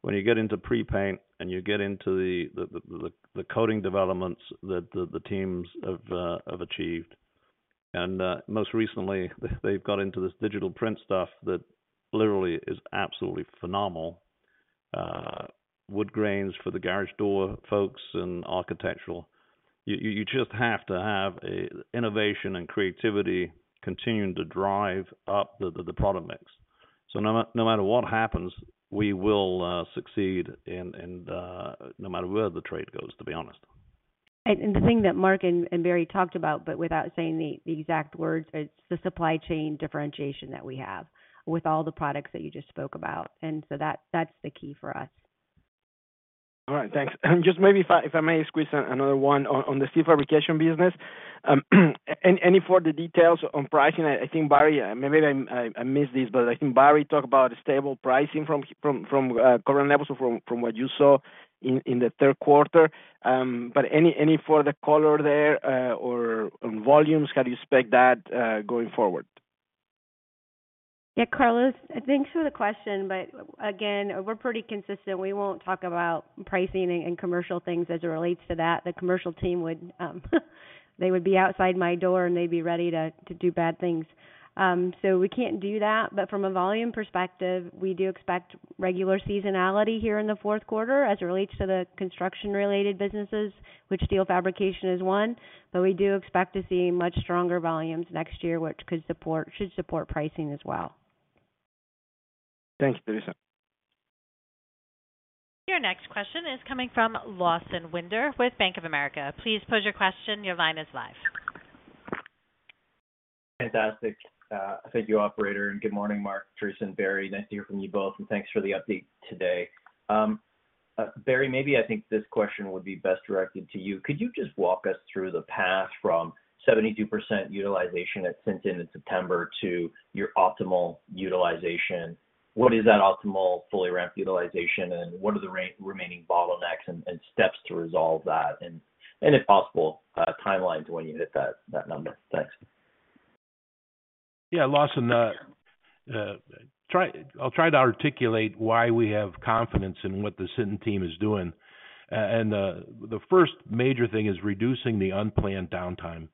When you get into pre-paint and you get into the coating developments that the teams have achieved, and most recently, they've got into this digital print stuff that literally is absolutely phenomenal. Wood grains for the garage door, folks and architectural. You just have to have a innovation and creativity continuing to drive up the product mix. So no matter what happens, we will succeed in no matter where the trade goes, to be honest. The thing that Mark and Barry talked about, but without saying the exact words, it's the supply chain differentiation that we have with all the products that you just spoke about. And so that's the key for us. All right. Thanks. Just maybe if I may squeeze another one on the steel fabrication business. Any further details on pricing? I think, Barry, maybe I missed this, but I think Barry talked about stable pricing from current levels, from what you saw in the third quarter. But any further color there or on volumes, how do you expect that going forward? Yeah, Carlos, thanks for the question, but again, we're pretty consistent. We won't talk about pricing and commercial things as it relates to that. The commercial team would, they would be outside my door, and they'd be ready to do bad things. So we can't do that. But from a volume perspective, we do expect regular seasonality here in the fourth quarter as it relates to the construction-related businesses, which steel fabrication is one. But we do expect to see much stronger volumes next year, which could support, should support pricing as well. Thanks, Teresa. Your next question is coming from Lawson Winder with Bank of America. Please pose your question. Your line is live. Fantastic. Thank you, operator. Good morning, Mark, Teresa, and Barry. Nice to hear from you both, and thanks for the update today. Barry, maybe I think this question would be best directed to you. Could you just walk us through the path from 72% utilization at Sinton in September to your optimal utilization? What is that optimal, fully ramped utilization, and what are the remaining bottlenecks and steps to resolve that? And if possible, timeline to when you hit that number. Thanks. Yeah, Lawson, I'll try to articulate why we have confidence in what the Sinton team is doing, and the first major thing is reducing the unplanned downtime.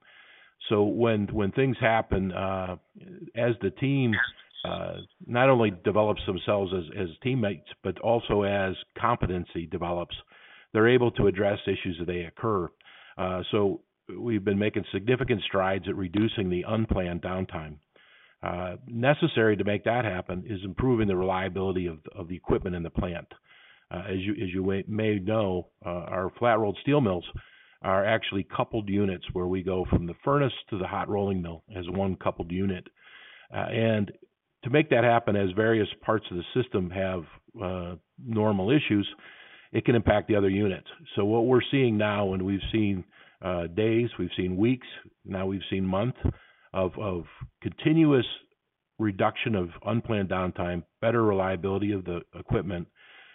So when things happen, as the team not only develops themselves as teammates, but also as competency develops, they're able to address issues as they occur, so we've been making significant strides at reducing the unplanned downtime. Necessary to make that happen is improving the reliability of the equipment in the plant. As you may know, our flat-rolled steel mills are actually coupled units where we go from the furnace to the hot rolling mill as one coupled unit, and to make that happen, as various parts of the system have normal issues, it can impact the other units. So what we're seeing now, and we've seen days, we've seen weeks, now we've seen months of continuous reduction of unplanned downtime, better reliability of the equipment,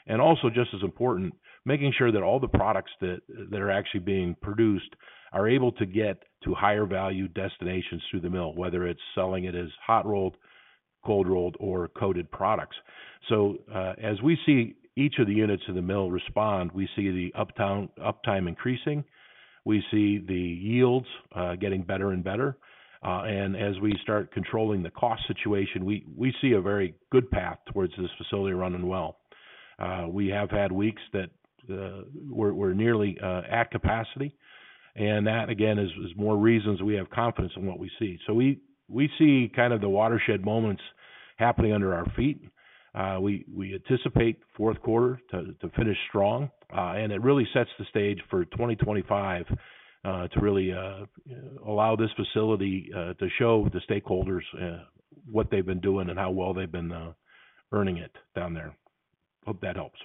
and also just as important, making sure that all the products that are actually being produced are able to get to higher value destinations through the mill, whether it's selling it as hot-rolled, cold-rolled, or coated products. So, as we see each of the units in the mill respond, we see the uptime increasing, we see the yields getting better and better, and as we start controlling the cost situation, we see a very good path towards this facility running well. We have had weeks that we're nearly at capacity, and that, again, is more reasons we have confidence in what we see. So we see kind of the watershed moments happening under our feet. We anticipate fourth quarter to finish strong, and it really sets the stage for 2025 to really allow this facility to show the stakeholders what they've been doing and how well they've been earning it down there. Hope that helps.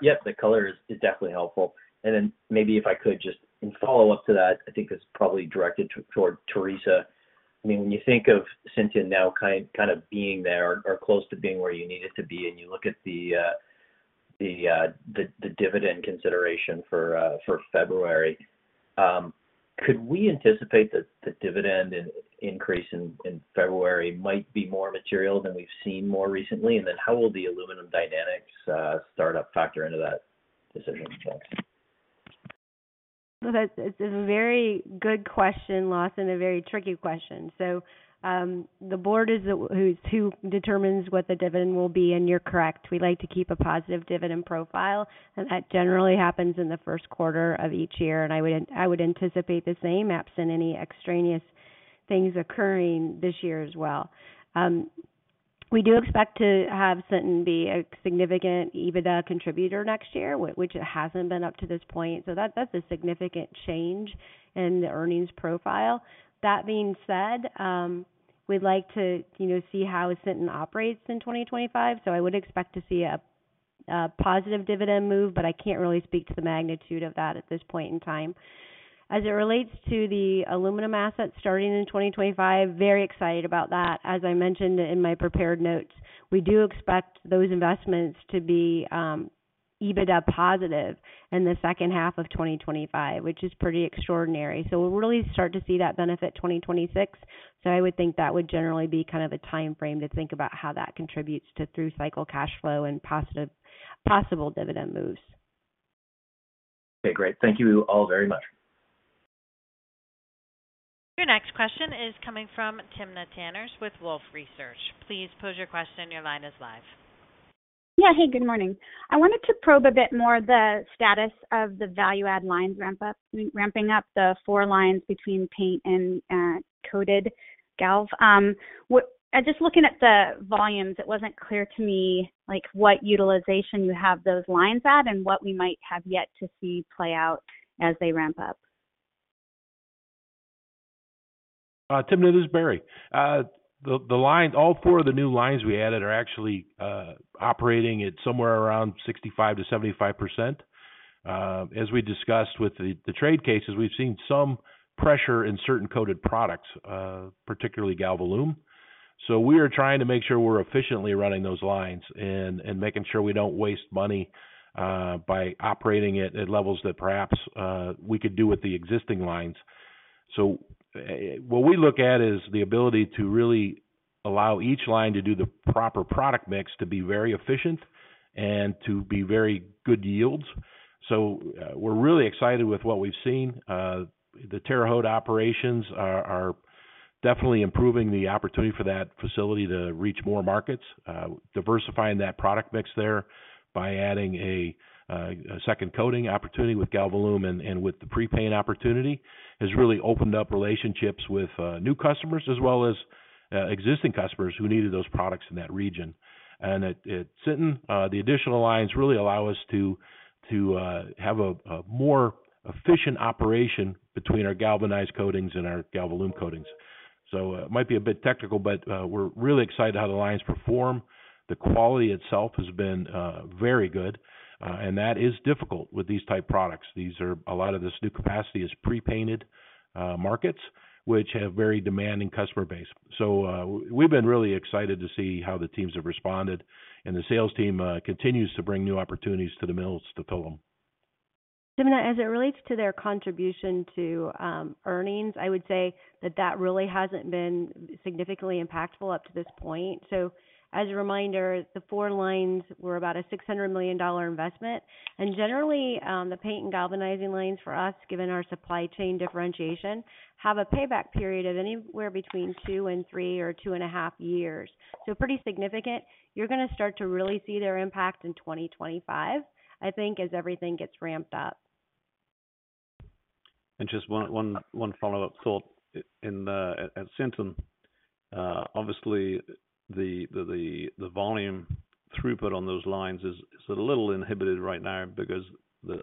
Yes, the color is definitely helpful. And then maybe if I could just in follow-up to that, I think it's probably directed toward Teresa. I mean, when you think of Sinton now kind of being there or close to being where you need it to be, and you look at the dividend consideration for February, could we anticipate that the dividend increase in February might be more material than we've seen more recently? And then how will the Aluminum Dynamics start up factor into that decision? Thanks. That's a very good question, Lawson, a very tricky question. So, the board is who determines what the dividend will be, and you're correct. We like to keep a positive dividend profile, and that generally happens in the first quarter of each year. And I would anticipate the same, absent any extraneous things occurring this year as well. We do expect to have Sinton be a significant EBITDA contributor next year, which it hasn't been up to this point. So that, that's a significant change in the earnings profile. That being said, we'd like to, you know, see how Sinton operates in 2025, so I would expect to see a positive dividend move, but I can't really speak to the magnitude of that at this point in time. As it relates to the aluminum assets starting in 2025, very excited about that. As I mentioned in my prepared notes, we do expect those investments to be EBITDA positive in the second half of 2025, which is pretty extraordinary. So we'll really start to see that benefit in 2026. So I would think that would generally be kind of a timeframe to think about how that contributes to through-cycle cash flow and positive possible dividend moves. Okay, great. Thank you all very much. Your next question is coming from Timna Tanners with Wolfe Research. Please pose your question. Your line is live. Yeah. Hey, good morning. I wanted to probe a bit more the status of the value add lines ramping up the four lines between paint and coated galv. Just looking at the volumes, it wasn't clear to me, like, what utilization you have those lines at and what we might have yet to see play out as they ramp up. Timna, this is Barry. All four of the new lines we added are actually operating at somewhere around 65%-75%. As we discussed with the trade cases, we've seen some pressure in certain coated products, particularly Galvalume. So we are trying to make sure we're efficiently running those lines and making sure we don't waste money by operating it at levels that perhaps we could do with the existing lines. So what we look at is the ability to really allow each line to do the proper product mix, to be very efficient and to be very good yields. So we're really excited with what we've seen. The Terre Haute operations are definitely improving the opportunity for that facility to reach more markets, diversifying that product mix there by adding a second coating opportunity with Galvalume and with the pre-paint opportunity, has really opened up relationships with new customers as well as existing customers who needed those products in that region. And at Sinton, the additional lines really allow us to have a more efficient operation between our galvanized coatings and our Galvalume coatings. So, it might be a bit technical, but we're really excited how the lines perform. The quality itself has been very good, and that is difficult with these type of products. These are a lot of this new capacity is pre-painted markets, which have very demanding customer base. We've been really excited to see how the teams have responded, and the sales team continues to bring new opportunities to the mills to fill them. Timna, as it relates to their contribution to earnings, I would say that that really hasn't been significantly impactful up to this point. So as a reminder, the four lines were about a $600 million investment. And generally, the paint and galvanizing lines for us, given our supply chain differentiation, have a payback period of anywhere between two and three or two and a half years. So pretty significant. You're gonna start to really see their impact in 2025, I think, as everything gets ramped up. Just one follow-up thought. At Sinton, obviously, the volume throughput on those lines is a little inhibited right now because the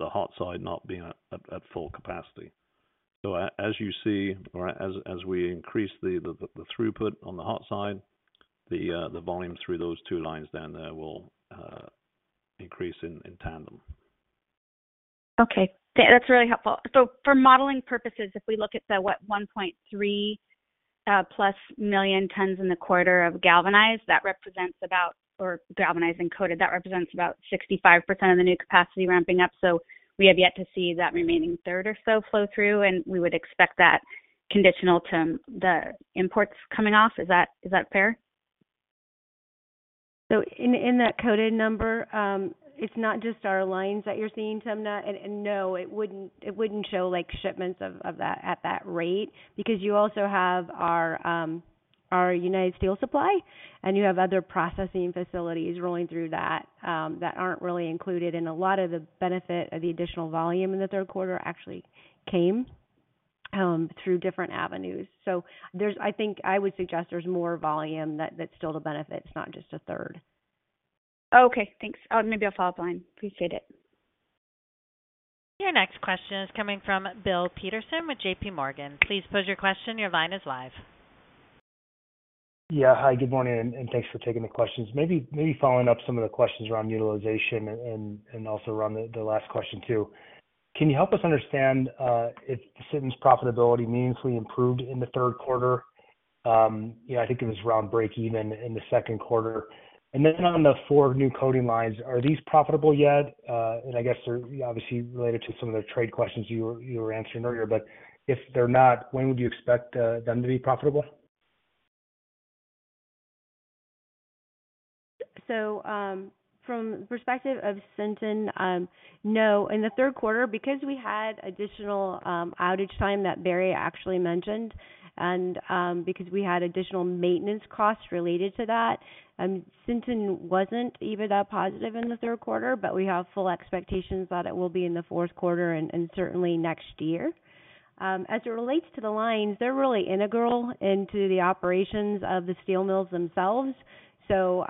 hot side not being at full capacity. So as you see or as we increase the throughput on the hot side, the volume through those two lines down there will increase in tandem. Okay, that's really helpful. So for modeling purposes, if we look at the, what, 1.3 plus million tons in the quarter of galvanized, that represents about... or galvanized and coated, that represents about 65% of the new capacity ramping up. So we have yet to see that remaining third or so flow through, and we would expect that conditional to the imports coming off. Is that, is that fair? So in that coated number, it's not just our lines that you're seeing, Timna, and no, it wouldn't show like shipments of that at that rate, because you also have our United Steel Supply, and you have other processing facilities rolling through that that aren't really included. And a lot of the benefit of the additional volume in the third quarter actually came through different avenues. There's. I think I would suggest there's more volume that still benefits, not just a third. Okay, thanks. Maybe a follow-up line. Appreciate it. Your next question is coming from Bill Peterson with JP Morgan. Please pose your question. Your line is live. Yeah. Hi, good morning, and thanks for taking the questions. Maybe following up some of the questions around utilization and also around the last question, too. Can you help us understand if Sinton's profitability meaningfully improved in the third quarter? Yeah, I think it was around breakeven in the second quarter. And then on the four new coating lines, are these profitable yet? And I guess they're obviously related to some of the trade questions you were answering earlier, but if they're not, when would you expect them to be profitable? From the perspective of Sinton, no. In the third quarter, because we had additional outage time that Barry actually mentioned, and because we had additional maintenance costs related to that, Sinton wasn't EBITDA positive in the third quarter, but we have full expectations that it will be in the fourth quarter and certainly next year. As it relates to the lines, they're really integral into the operations of the steel mills themselves. To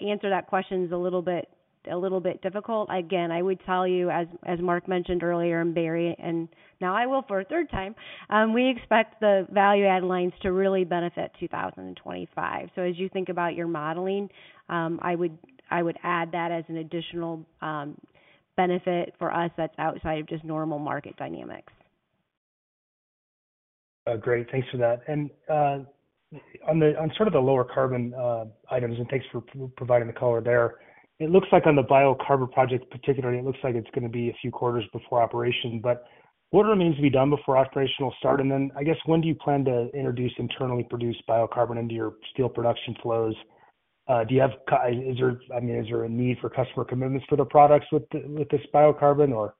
answer that question is a little bit difficult. Again, I would tell you, as Mark mentioned earlier, and Barry, and now I will for a third time, we expect the value-add lines to really benefit 2025. So as you think about your modeling, I would add that as an additional benefit for us that's outside of just normal market dynamics. Great, thanks for that. And, on the, on sort of the lower carbon items, and thanks for providing the color there, it looks like on the biocarbon project particularly, it looks like it's gonna be a few quarters before operation. But what remains to be done before operational start? And then, I guess, when do you plan to introduce internally produced biocarbon into your steel production flows? Is there, I mean, is there a need for customer commitments for the products with the, with this biocarbon, or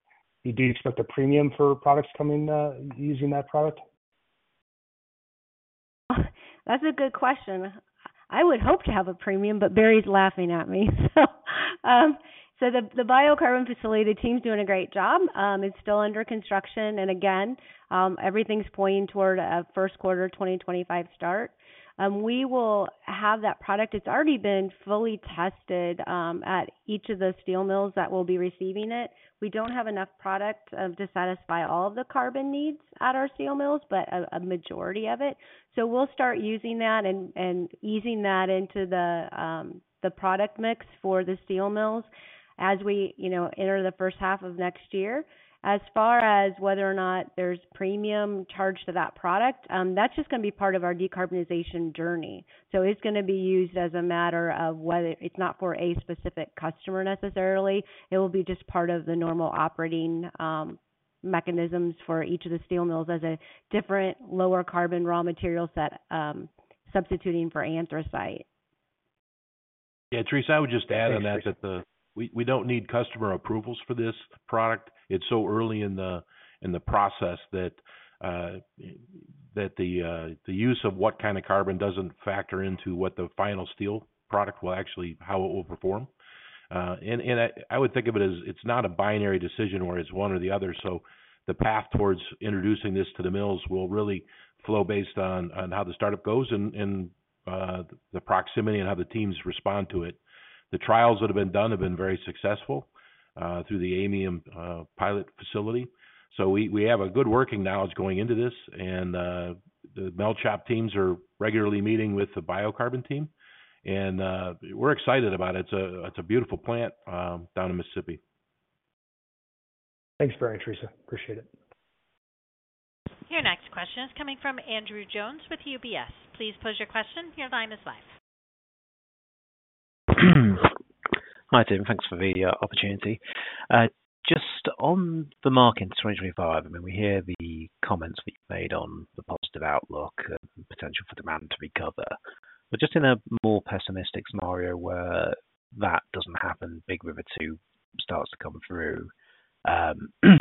do you expect a premium for products coming, using that product? That's a good question. I would hope to have a premium, but Barry's laughing at me. So, the biocarbon facility team's doing a great job. It's still under construction, and again, everything's pointing toward a first quarter 2025 start. We will have that product. It's already been fully tested at each of the steel mills that will be receiving it. We don't have enough product to satisfy all of the carbon needs at our steel mills, but a majority of it. So we'll start using that and easing that into the product mix for the steel mills as we, you know, enter the first half of next year. As far as whether or not there's premium charged to that product, that's just gonna be part of our decarbonization journey. So it's gonna be used as a matter of whether it's not for a specific customer necessarily. It will be just part of the normal operating mechanisms for each of the steel mills as a different lower carbon raw material set, substituting for anthracite. Yeah, Teresa, I would just add on that, that we don't need customer approvals for this product. It's so early in the process that the use of what kind of carbon doesn't factor into what the final steel product will actually, how it will perform. And I would think of it as it's not a binary decision where it's one or the other. So the path towards introducing this to the mills will really flow based on how the startup goes and the proximity and how the teams respond to it. The trials that have been done have been very successful through the Aymium pilot facility. So we have a good working knowledge going into this, and the mill shop teams are regularly meeting with the biocarbon team, and we're excited about it. It's a beautiful plant down in Mississippi. Thanks very much, Teresa. Appreciate it. Your next question is coming from Andrew Jones with UBS. Please pose your question. Your line is live. Hi, Tim. Thanks for the opportunity. Just on the market in 2025, I mean, we hear the comments we made on the positive outlook and potential for demand to recover. But just in a more pessimistic scenario where that doesn't happen, Big River Two starts to come through,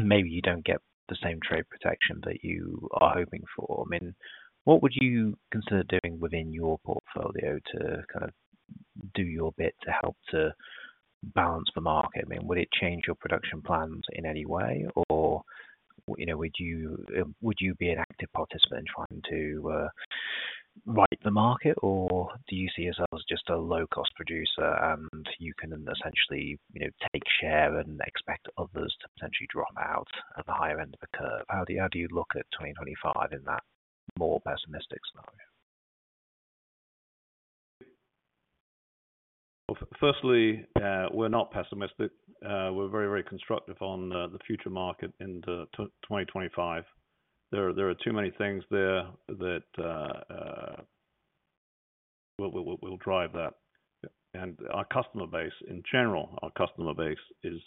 maybe you don't get the same trade protection that you are hoping for. I mean, what would you consider doing within your portfolio to kind of do your bit to help to balance the market? I mean, would it change your production plans in any way? Or, you know, would you, would you be an active participant in trying to, right the market, or do you see yourselves as just a low-cost producer, and you can essentially, you know, take share and expect others to potentially drop out at the higher end of the curve? How do you look at 2025 in that more pessimistic scenario? Firstly, we're not pessimistic. We're very, very constructive on the future market into 2025. There are too many things there that will drive that. Our customer base in general is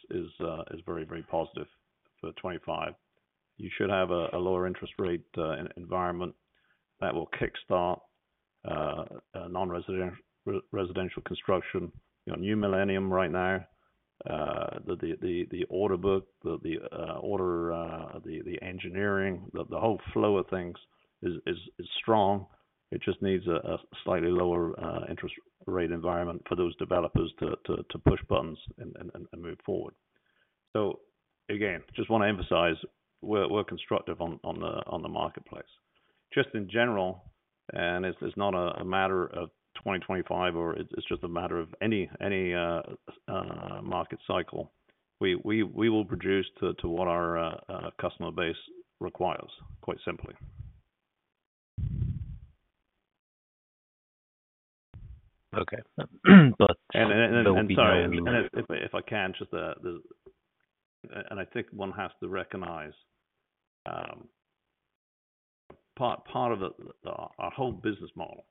very, very positive for 2025. You should have a lower interest rate environment that will kickstart a nonresidential construction. You know, New Millennium right now, the order book, the engineering, the whole flow of things is strong. It just needs a slightly lower interest rate environment for those developers to push buttons and move forward. Again, just want to emphasize, we're constructive on the marketplace. Just in general, and it's not a matter of 2025 or it's just a matter of any market cycle. We will produce to what our customer base requires, quite simply. Okay. I think one has to recognize part of our whole business model.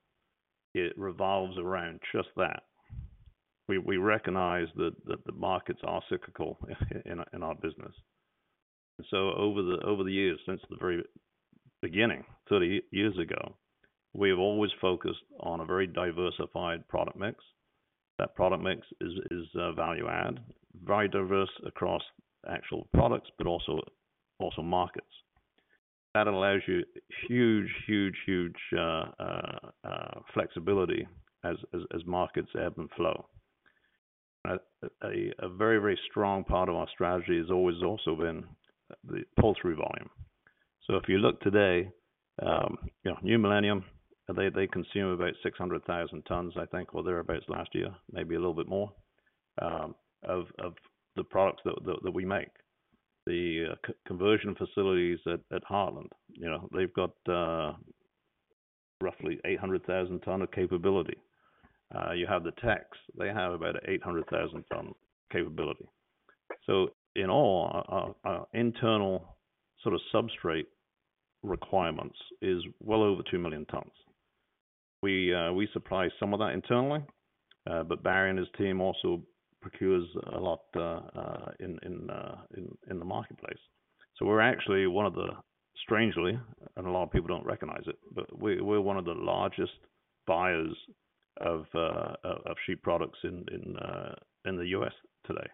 It revolves around just that. We recognize that the markets are cyclical in our business. So over the years, since the very beginning, 30 years ago, we have always focused on a very diversified product mix. That product mix is value-add, very diverse across actual products, but also markets. That allows you huge flexibility as markets ebb and flow. A very strong part of our strategy has always also been the pull-through volume. So if you look today, you know, New Millennium, they consume about 600,000 tons, I think, or thereabouts last year, maybe a little bit more, of the products that we make. The conversion facilities at Heartland, you know, they've got roughly 800,000 tons of capability. You have The Techs, they have about 800,000 tons capability. So in all, our internal sort of substrate requirements is well over 2 million tons. We supply some of that internally, but Barry and his team also procures a lot in the marketplace. So we're actually one of the, strangely, and a lot of people don't recognize it, but we're one of the largest buyers of sheet products in the U.S. today.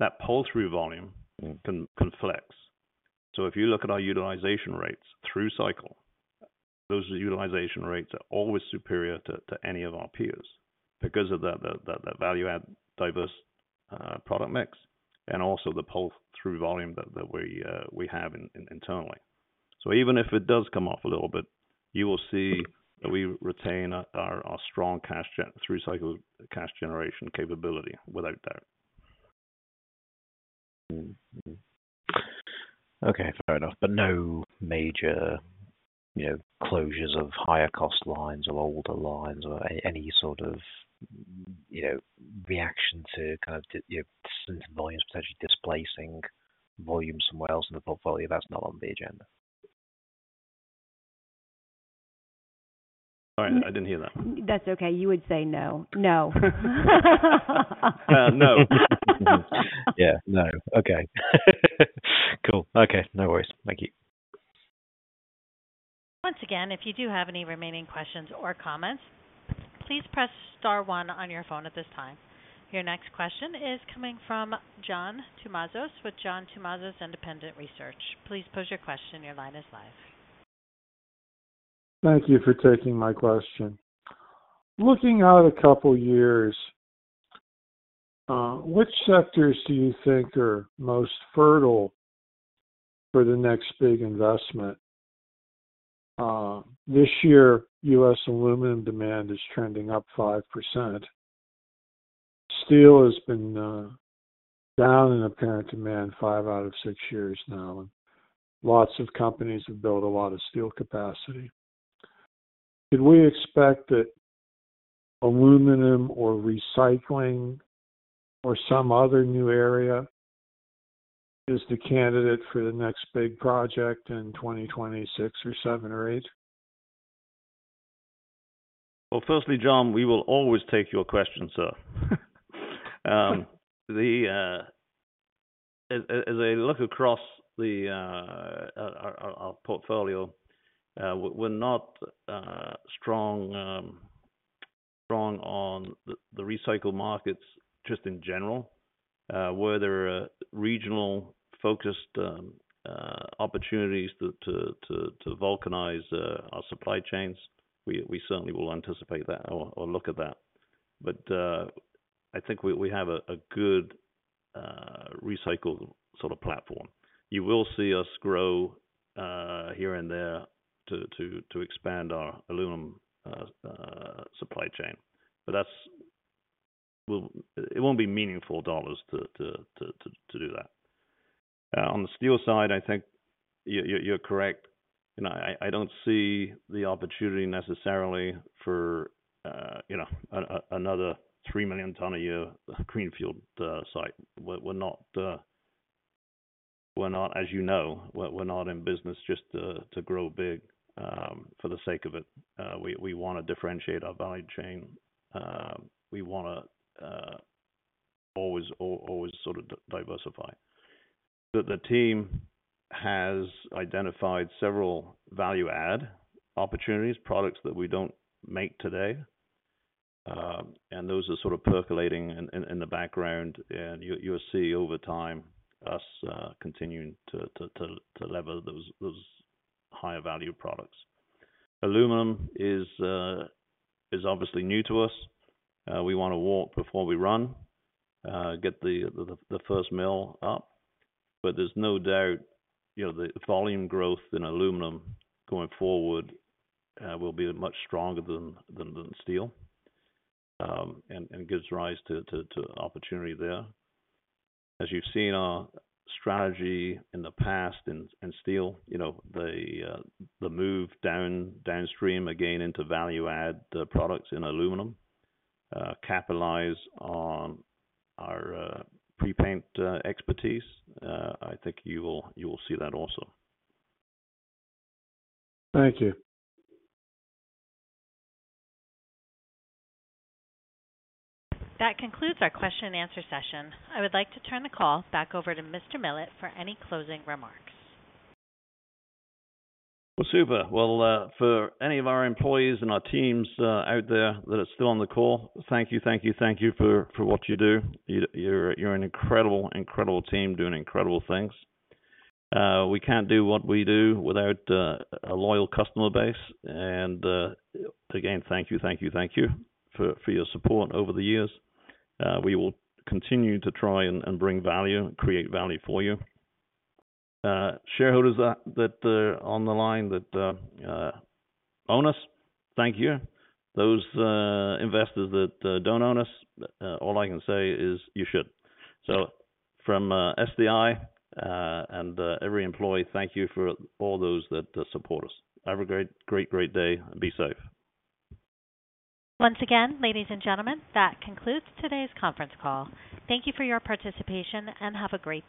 That pull-through volume can flex. So if you look at our utilization rates through cycle, those utilization rates are always superior to any of our peers because of the value-add diverse product mix and also the pull-through volume that we have internally. So even if it does come off a little bit, you will see that we retain our strong cash generation through cycle cash generation capability, without doubt. Okay, fair enough. But no major, you know, closures of higher cost lines or older lines or any sort of, you know, reaction to kind of the, your volume potentially displacing volume somewhere else in the portfolio, that's not on the agenda? Sorry, I didn't hear that. That's okay. You would say no. No. Uh, no. Yeah, no. Okay. Cool. Okay, no worries. Thank you. Once again, if you do have any remaining questions or comments, please press star one on your phone at this time. Your next question is coming from John Tumazos with John Tumazos Independent Research. Please pose your question. Your line is live. Thank you for taking my question. Looking out a couple of years, which sectors do you think are most fertile for the next big investment? This year, U.S. aluminum demand is trending up 5%. Steel has been down in apparent demand five out of six years now, and lots of companies have built a lot of steel capacity. Can we expect that aluminum or recycling or some other new area is the candidate for the next big project in 2026 or 2027 or 2028? Well, firstly, John, we will always take your question, sir. As I look across our portfolio, we're not strong on the recycled markets, just in general. Where there are regional-focused opportunities to verticalize our supply chains, we certainly will anticipate that or look at that. But I think we have a good recycled sort of platform. You will see us grow here and there to expand our aluminum supply chain. But that's, we'll, It won't be meaningful dollars to do that. On the steel side, I think you're correct. And I don't see the opportunity necessarily for you know another three million ton a year greenfield site. We're not, as you know, we're not in business just to grow big for the sake of it. We wanna differentiate our value chain. We wanna always sort of diversify. But the team has identified several value-add opportunities, products that we don't make today, and those are sort of percolating in the background, and you'll see over time us continuing to lever those higher value products. Aluminum is obviously new to us. We wanna walk before we run, get the first mill up. But there's no doubt, you know, the volume growth in aluminum going forward will be much stronger than steel, and gives rise to opportunity there. As you've seen our strategy in the past in steel, you know, the move downstream again, into value-add products in aluminum, capitalize on our pre-paint expertise. I think you will see that also. Thank you. That concludes our question and answer session. I would like to turn the call back over to Mr. Millett for any closing remarks. Super! For any of our employees and our teams out there that are still on the call, thank you, thank you, thank you for what you do. You're an incredible, incredible team doing incredible things. We can't do what we do without a loyal customer base. And again, thank you, thank you, thank you for your support over the years. We will continue to try and bring value, create value for you. Shareholders that are on the line that own us, thank you. Those investors that don't own us, all I can say is you should. So from SDI and every employee, thank you for all those that support us. Have a great, great, great day, and be safe. Once again, ladies and gentlemen, that concludes today's conference call. Thank you for your participation, and have a great day.